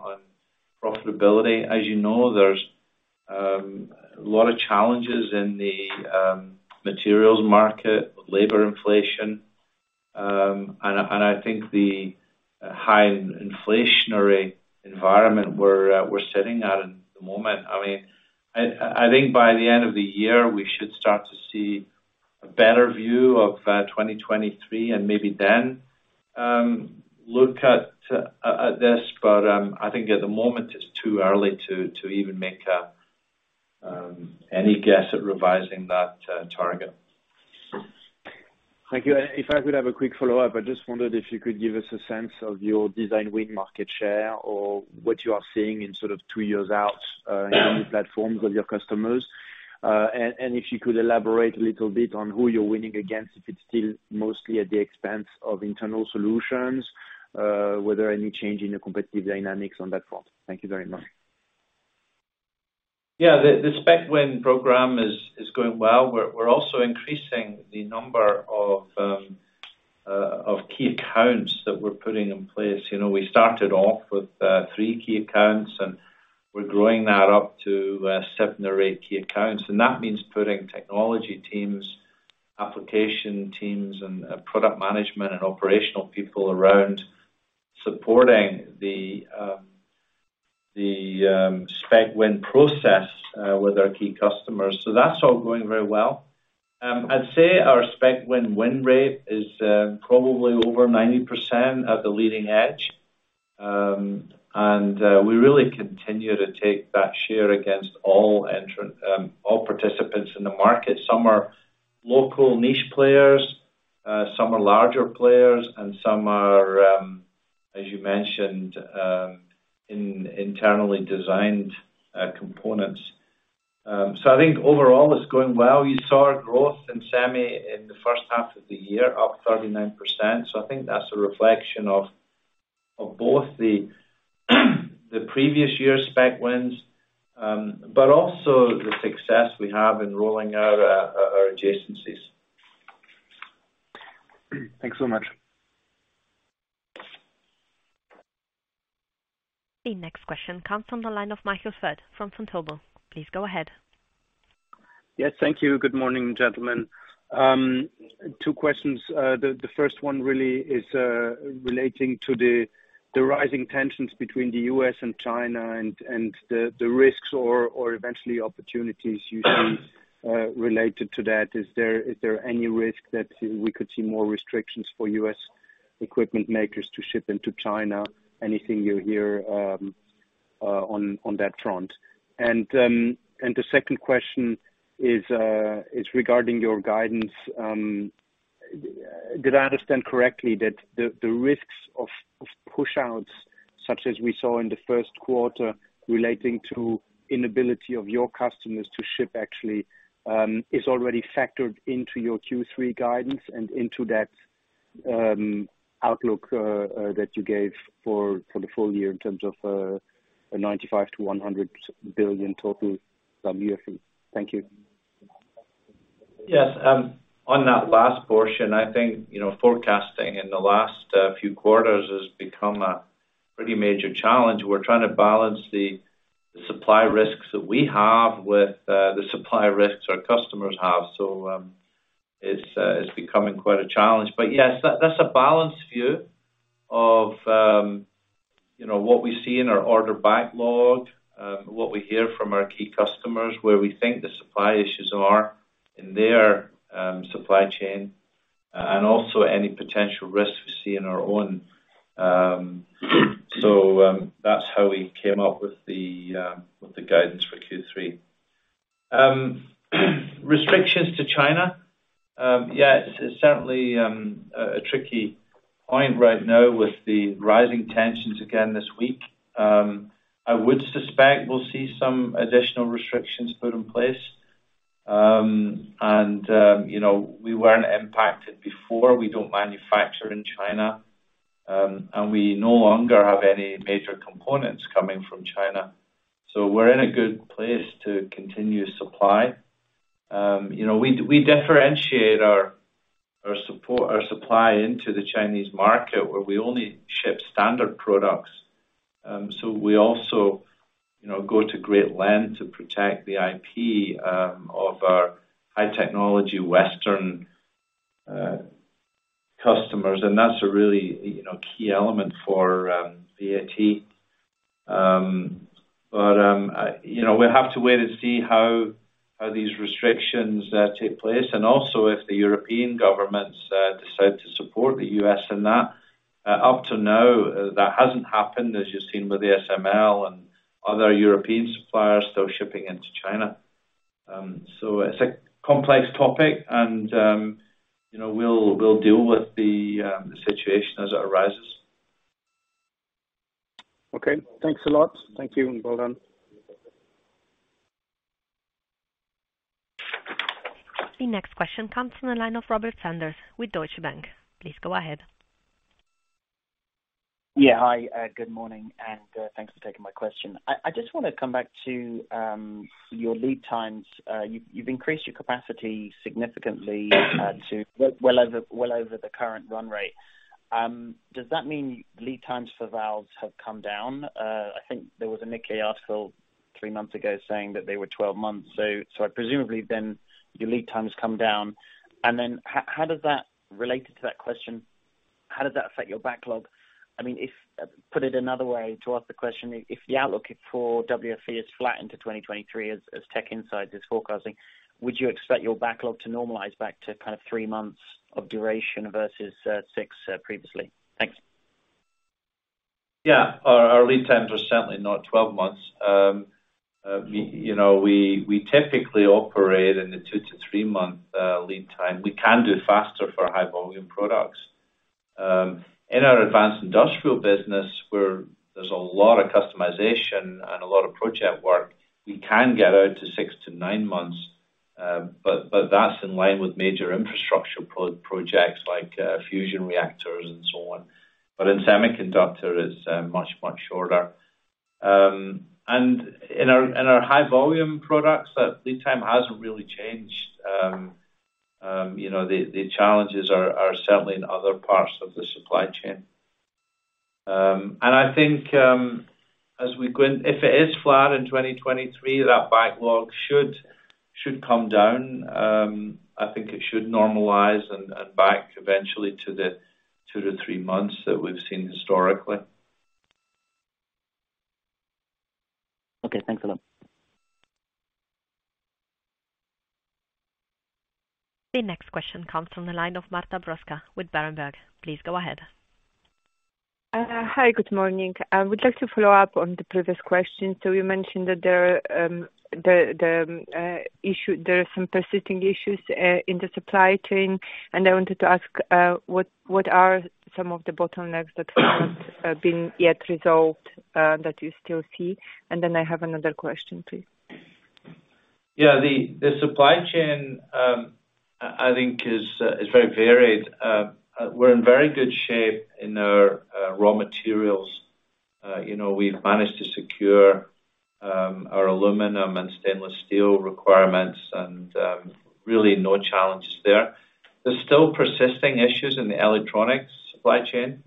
B: profitability. As you know, there's a lot of challenges in the materials market, labor inflation, and I think the high inflationary environment we're sitting at the moment. I mean, I think by the end of the year we should start to see a better view of 2023 and maybe then look at this. I think at the moment it's too early to even make any guess at revising that target.
G: Thank you. If I could have a quick follow-up, I just wondered if you could give us a sense of your design win market share or what you are seeing in sort of two years out, in new platforms with your customers. And if you could elaborate a little bit on who you're winning against, if it's still mostly at the expense of internal solutions, were there any change in the competitive dynamics on that front? Thank you very much.
B: Yeah. The spec win program is going well. We're also increasing the number of key accounts that we're putting in place. You know, we started off with three key accounts, and we're growing that up to seven or eight key accounts. That means putting technology teams, application teams, and product management and operational people around supporting the spec win process with our key customers. That's all going very well. I'd say our spec win rate is probably over 90% at the leading edge. And we really continue to take that share against all participants in the market. Some are local niche players, some are larger players, and some are, as you mentioned, internally designed components. I think overall it's going well. You saw our growth in Semi in the first half of the year, up 39%. I think that's a reflection of both the previous year spec wins, but also the success we have in rolling out our adjacencies.
G: Thanks so much.
A: The next question comes from the line of Michael Foeth from Vontobel. Please go ahead.
H: Yes, thank you. Good morning, gentlemen. Two questions. The first one really is relating to the rising tensions between the U.S. and China, and the risks or eventually opportunities you see related to that. Is there any risk that we could see more restrictions for U.S. equipment makers to ship into China? Anything you hear on that front? The second question is regarding your guidance. Did I understand correctly that the risks of push outs such as we saw in the first quarter relating to inability of your customers to ship actually is already factored into your Q3 guidance and into that outlook that you gave for the full year in terms of a $95 billion-$100 billion total WFE. Thank you.
B: Yes. On that last portion, I think, you know, forecasting in the last few quarters has become a pretty major challenge. We're trying to balance the supply risks that we have with the supply risks our customers have. It's becoming quite a challenge. Yes, that's a balanced view of, you know, what we see in our order backlog, what we hear from our key customers, where we think the supply issues are in their supply chain, and also any potential risks we see in our own, that's how we came up with the guidance for Q3. Restrictions to China, yeah, it's certainly a tricky point right now with the rising tensions again this week. I would suspect we'll see some additional restrictions put in place. You know, we weren't impacted before. We don't manufacture in China, and we no longer have any major components coming from China. We're in a good place to continue supply. You know, we differentiate our support, our supply into the Chinese market, where we only ship standard products. We also go to great length to protect the IP of our high technology Western customers. That's a really key element for VAT. You know, we'll have to wait and see how these restrictions take place, and also if the European governments decide to support the U.S. in that. Up to now, that hasn't happened as you've seen with the ASML and other European suppliers still shipping into China. It's a complex topic and, you know, we'll deal with the situation as it arises.
H: Okay. Thanks a lot. Thank you, and well done.
A: The next question comes from the line of Robert Sanders with Deutsche Bank. Please go ahead.
I: Yeah. Hi, good morning, and thanks for taking my question. I just wanna come back to your lead times. You've increased your capacity significantly to well over the current run rate. Does that mean lead times for valves have come down? I think there was a Nikkei article 3 months ago saying that they were 12 months, so presumably then your lead time has come down. Then how does that, related to that question, how does that affect your backlog? I mean, put it another way to ask the question, if the outlook for WFE is flattened to 2023 as TechInsights is forecasting, would you expect your backlog to normalize back to kind of three months of duration versus six previously? Thanks.
B: Yeah. Our lead times are certainly not 12 months. We typically operate in the 2-3-month lead time. We can do faster for high volume products. In our Advanced Industrial business where there's a lot of customization and a lot of project work, we can get out to 6-9 months. That's in line with major infrastructure projects like fusion reactors and so on. In Semiconductor it's much shorter. In our high volume products, that lead time hasn't really changed. You know, the challenges are certainly in other parts of the supply chain. I think, as we go in, if it is flat in 2023, that backlog should come down. I think it should normalize and back eventually to the 2-3 months that we've seen historically.
I: Okay. Thanks a lot.
A: The next question comes from the line of Marta Bruska with Berenberg. Please go ahead.
J: Hi. Good morning. I would like to follow up on the previous question. You mentioned that there are some persisting issues in the supply chain, and I wanted to ask what are some of the bottlenecks that haven't been yet resolved that you still see? Then I have another question please.
B: Yeah. The supply chain I think is very varied. We're in very good shape in our raw materials. You know, we've managed to secure our aluminum and stainless steel requirements and really no challenges there. There's still persistent issues in the electronics supply chain,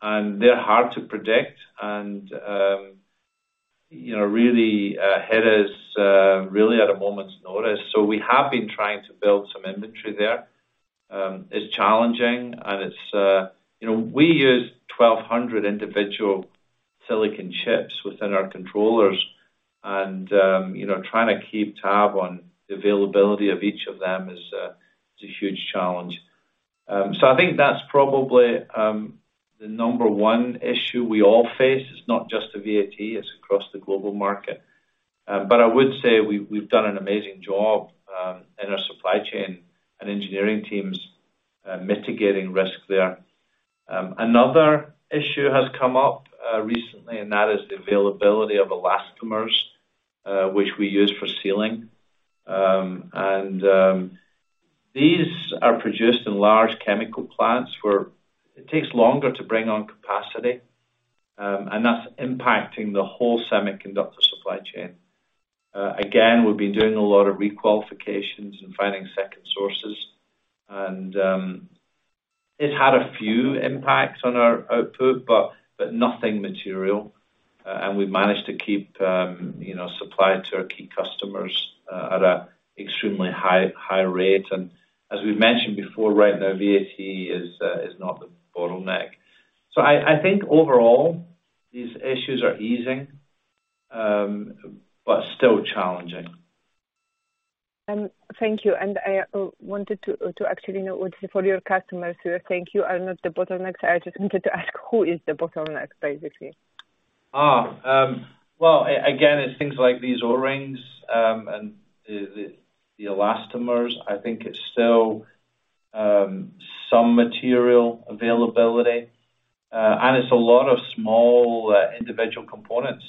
B: and they're hard to predict and you know, really hit us really at a moment's notice. We have been trying to build some inventory there. It's challenging. You know, we use 1,200 individual silicon chips within our controllers and you know, trying to keep tabs on the availability of each of them is a huge challenge. I think that's probably the number one issue we all face. It's not just VAT, it's across the global market. I would say we've done an amazing job in our supply chain and engineering teams mitigating risk there. Another issue has come up recently, and that is the availability of elastomers which we use for sealing. These are produced in large chemical plants where it takes longer to bring on capacity, and that's impacting the whole semiconductor supply chain. Again, we've been doing a lot of requalifications and finding second sources and it had a few impacts on our output, but nothing material. We've managed to keep you know supply to our key customers at an extremely high rate. As we've mentioned before, right now VAT is not the bottleneck. I think overall these issues are easing but still challenging.
J: Thank you. I wanted to actually know what for your customers who think you are not the bottleneck. I just wanted to ask who is the bottleneck, basically?
B: Well, again, it's things like these O-rings and the elastomers. I think it's still some material availability, and it's a lot of small individual components.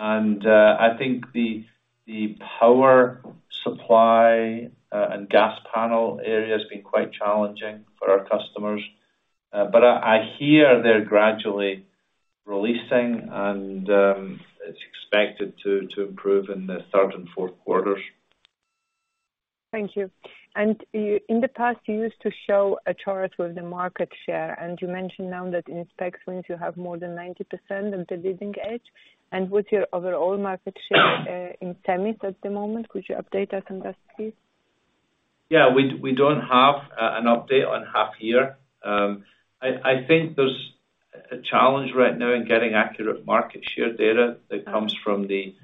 B: I think the power supply and gas panel area has been quite challenging for our customers. I hear they're gradually releasing and it's expected to improve in the third and fourth quarters.
J: Thank you. In the past you used to show a chart with the market share, and you mentioned now that in spec wins you have more than 90% of the leading edge. What's your overall market share in Semi at the moment? Could you update us on that, please?
B: Yeah. We don't have an update on half year. I think there's a challenge right now in getting accurate market share data that comes from the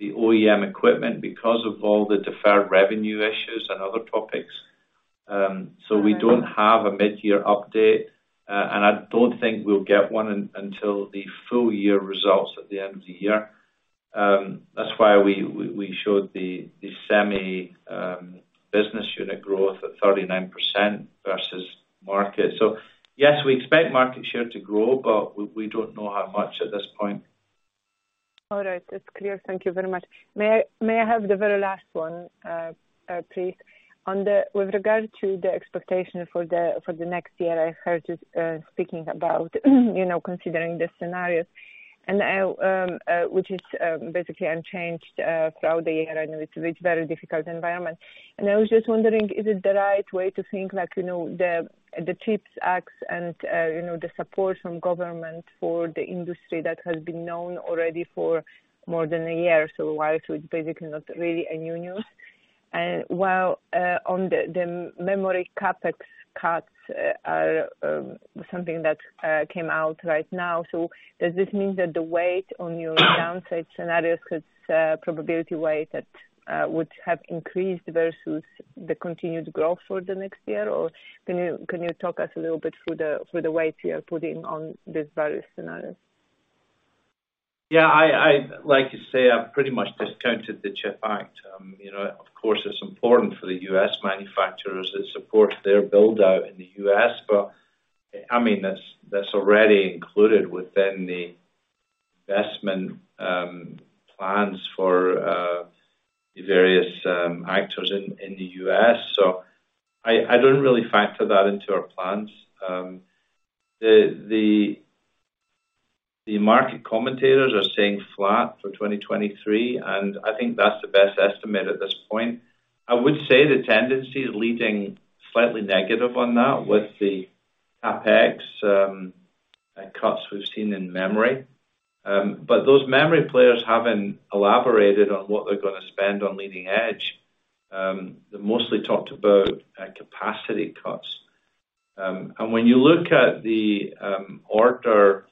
B: OEM equipment because of all the deferred revenue issues and other topics. We don't have a mid-year update, and I don't think we'll get one until the full year results at the end of the year. That's why we showed the Semi business unit growth at 39% versus market. Yes, we expect market share to grow, but we don't know how much at this point.
J: All right. It's clear. Thank you very much. May I have the very last one, please? With regard to the expectation for the next year, I heard you speaking about, you know, considering the scenarios and which is basically unchanged throughout the year, and it's very difficult environment. I was just wondering, is it the right way to think like, you know, the CHIPS Act and, you know, the support from government for the industry that has been known already for more than a year, so why it's basically not really a new news. While on the memory CapEx cuts are something that came out right now, so does this mean that the weight on your downside scenarios could probability weight that would have increased versus the continued growth for the next year? Can you talk us a little bit through the weight you are putting on these various scenarios?
B: Yeah. As you say, I've pretty much discounted the CHIPS Act. You know, of course it's important for the U.S. manufacturers that support their build-out in the U.S., but I mean, that's already included within the investment plans for the various actors in the U.S. I don't really factor that into our plans. The market commentators are saying flat for 2023, and I think that's the best estimate at this point. I would say the tendency leading slightly negative on that with the CapEx cuts we've seen in memory. But those memory players haven't elaborated on what they're gonna spend on leading edge. They mostly talked about capacity cuts. When you look at the order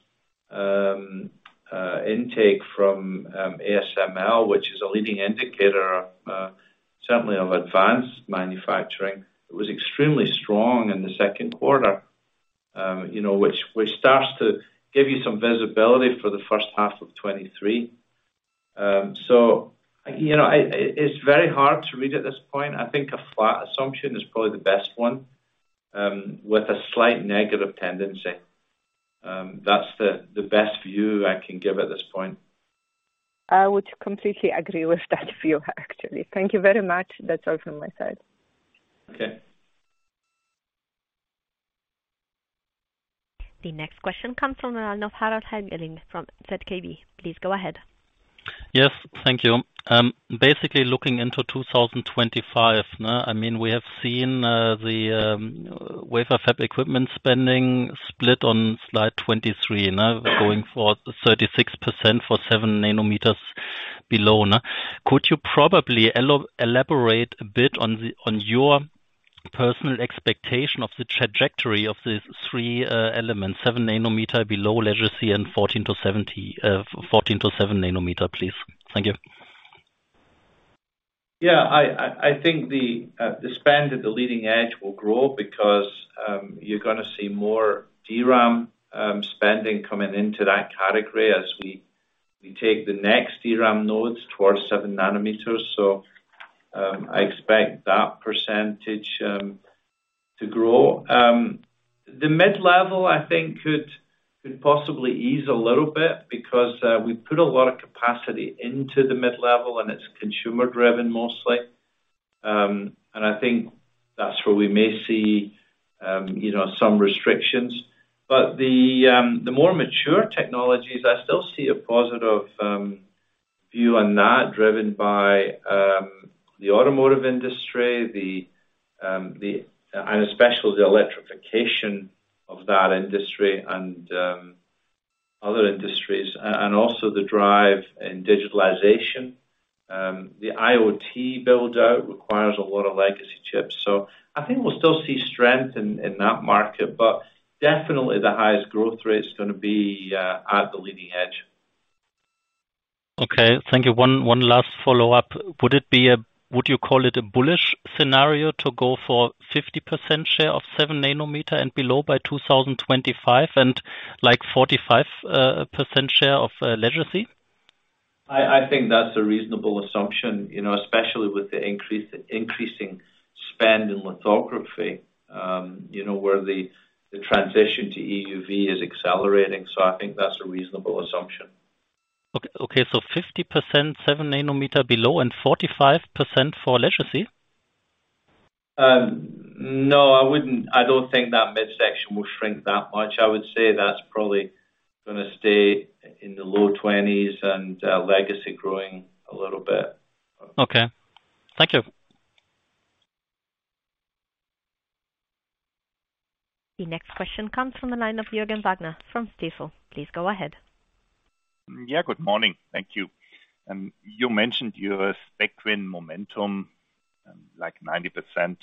B: intake from ASML, which is a leading indicator of certainly of advanced manufacturing, it was extremely strong in the second quarter. You know, which starts to give you some visibility for the first half of 2023. You know, it's very hard to read at this point. I think a flat assumption is probably the best one, with a slight negative tendency. That's the best view I can give at this point.
J: I would completely agree with that view actually. Thank you very much. That's all from my side.
B: Okay.
A: The next question comes from [Michael Inauen] from ZKB. Please go ahead.
K: Yes. Thank you. Basically looking into 2025, I mean, we have seen the wafer fab equipment spending split on slide 23. Going for 36% for 7 nm below. Could you probably elaborate a bit on your personal expectation of the trajectory of these three elements, 7 nm below, legacy and 14 nm-7 nm, please? Thank you.
B: Yeah. I think the spend at the leading edge will grow because you're gonna see more DRAM spending coming into that category as we take the next DRAM nodes towards 7 nm. I expect that percentage to grow. The mid-level, I think could possibly ease a little bit because we put a lot of capacity into the mid-level, and it's consumer driven mostly. I think that's where we may see you know some restrictions. The more mature technologies, I still see a positive view on that driven by the automotive industry and especially the electrification of that industry and other industries and also the drive in digitalization. The IoT build-out requires a lot of legacy chips. I think we'll still see strength in that market, but definitely the highest growth rate's gonna be at the leading edge.
K: Okay. Thank you. One last follow-up. Would you call it a bullish scenario to go for 50% share of 7 nm and below by 2025 and like 45% share of legacy?
B: I think that's a reasonable assumption, you know, especially with the increasing spend in lithography, you know, where the transition to EUV is accelerating. I think that's a reasonable assumption.
K: Okay. 50% 7 nm below and 45% for legacy?
B: No, I don't think that midsection will shrink that much. I would say that's probably gonna stay in the low twenties and legacy growing a little bit.
K: Okay. Thank you.
A: The next question comes from the line of Jürgen Wagner from Stifel. Please go ahead.
L: Yeah, good morning. Thank you. You mentioned your spec momentum, like 90%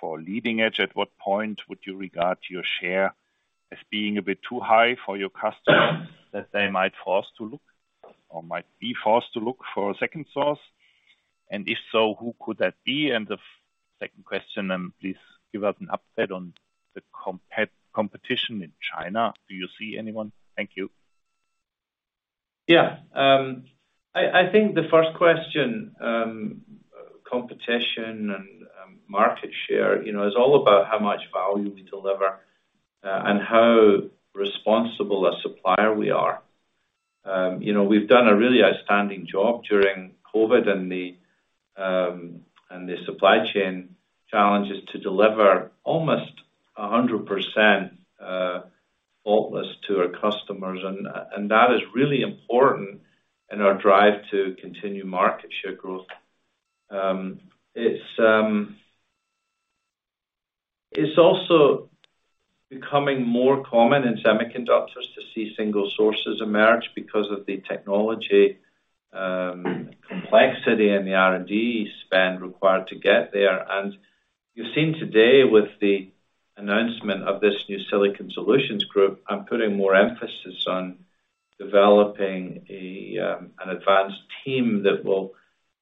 L: for leading edge. At what point would you regard your share as being a bit too high for your customers that they might be forced to look for a second source? And if so, who could that be? The second question, please give us an update on the competition in China. Do you see anyone? Thank you.
B: Yeah. I think the first question, competition and market share, you know, is all about how much value we deliver and how responsible a supplier we are. You know, we've done a really outstanding job during COVID and the supply chain challenges to deliver almost 100% faultless to our customers. That is really important in our drive to continue market share growth. It's also becoming more common in semiconductors to see single sources emerge because of the technology complexity and the R&D spend required to get there. You've seen today with the announcement of this new Silicon Solutions Group. I'm putting more emphasis on developing an advanced team that will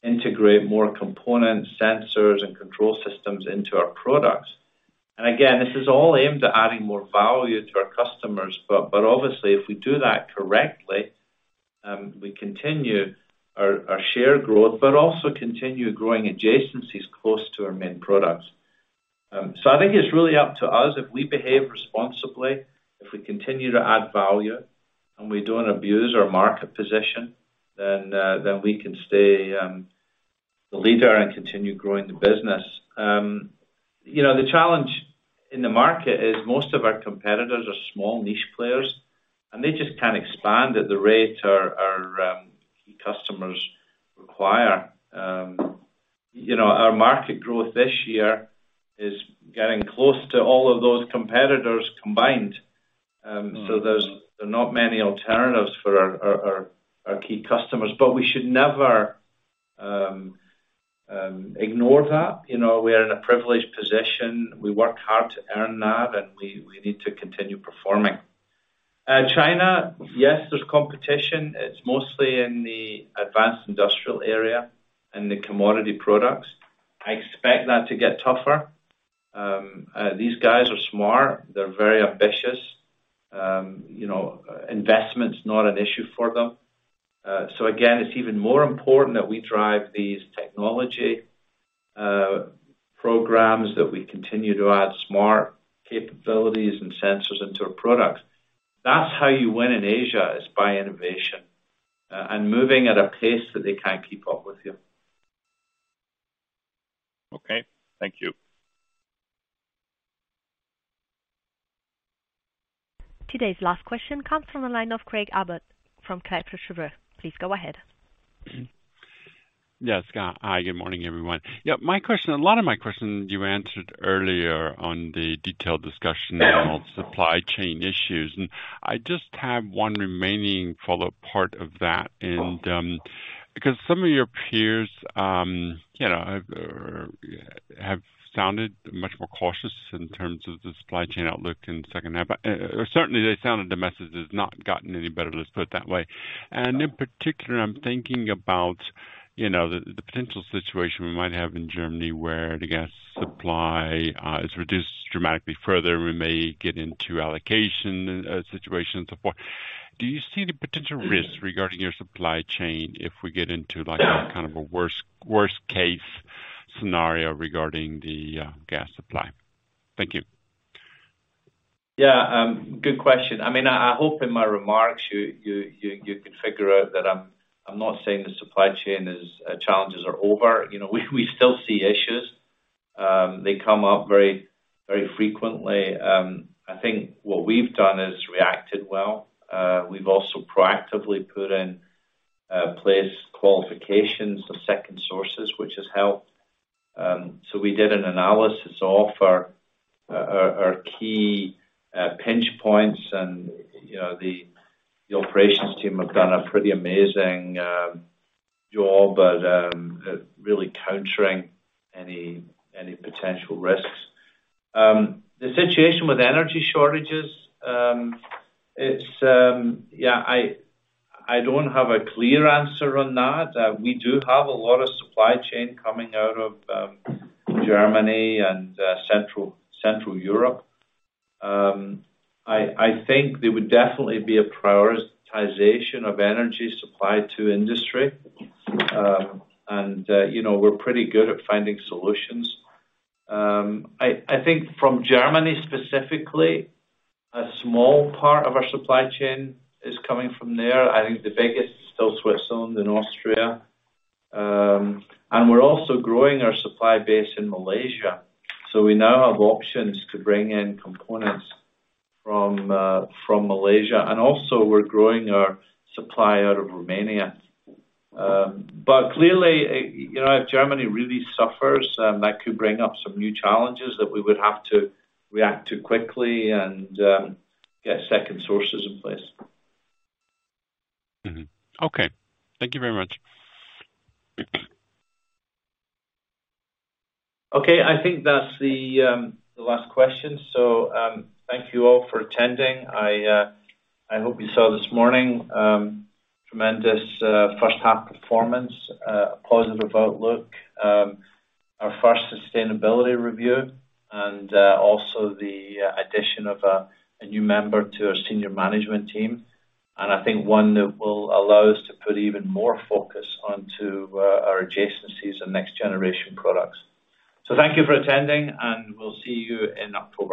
B: integrate more components, sensors and control systems into our products. Again, this is all aimed at adding more value to our customers. But obviously if we do that correctly, we continue our share growth, but also continue growing adjacencies close to our main products. So I think it's really up to us if we behave responsibly, if we continue to add value, and we don't abuse our market position, then we can stay the leader and continue growing the business. You know, the challenge in the market is most of our competitors are small niche players, and they just can't expand at the rate our key customers require. You know, our market growth this year is getting close to all of those competitors combined. So there's not many alternatives for our key customers. But we should never ignore that. You know, we are in a privileged position. We work hard to earn that, and we need to continue performing. China, yes, there's competition. It's mostly in the Advanced Industrial area and the commodity products. I expect that to get tougher. These guys are smart. They're very ambitious. You know, investment's not an issue for them. So again, it's even more important that we drive these technology programs, that we continue to add smart capabilities and sensors into our products. That's how you win in Asia, is by innovation, and moving at a pace that they can't keep up with you.
L: Okay. Thank you.
A: Today's last question comes from the line of Craig Abbott from Kepler Cheuvreux. Please go ahead.
M: Yes. Hi, good morning, everyone. Yeah, my question. A lot of my questions you answered earlier on the detailed discussion on supply chain issues, and I just have one remaining follow-up part of that and because some of your peers, you know, have sounded much more cautious in terms of the supply chain outlook in the second half, or certainly they sounded the message has not gotten any better, let's put it that way. In particular, I'm thinking about, you know, the potential situation we might have in Germany where the gas supply is reduced dramatically further. We may get into allocation situation and so forth. Do you see any potential risks regarding your supply chain if we get into like a kind of a worst case scenario regarding the gas supply? Thank you.
B: Yeah, good question. I mean, I hope in my remarks you could figure out that I'm not saying the supply chain challenges are over. You know, we still see issues. They come up very frequently. I think what we've done is reacted well. We've also proactively put in place qualifications for second sources, which has helped. We did an analysis of our key pinch points and you know, the operations team have done a pretty amazing job at really countering any potential risks. The situation with energy shortages, it's yeah, I don't have a clear answer on that. We do have a lot of supply chain coming out of Germany and central Europe. I think there would definitely be a prioritization of energy supply to industry. You know, we're pretty good at finding solutions. I think from Germany specifically, a small part of our supply chain is coming from there. I think the biggest is still Switzerland and Austria. We're also growing our supply base in Malaysia. We now have options to bring in components from Malaysia. We're also growing our supply out of Romania. Clearly, you know, if Germany really suffers, that could bring up some new challenges that we would have to react to quickly and get second sources in place.
M: Okay. Thank you very much.
B: Okay. I think that's the last question. Thank you all for attending. I hope you saw this morning tremendous first half performance, a positive outlook, our first sustainability review and also the addition of a new member to our senior management team. I think one that will allow us to put even more focus onto our adjacencies and next generation products. Thank you for attending, and we'll see you in October.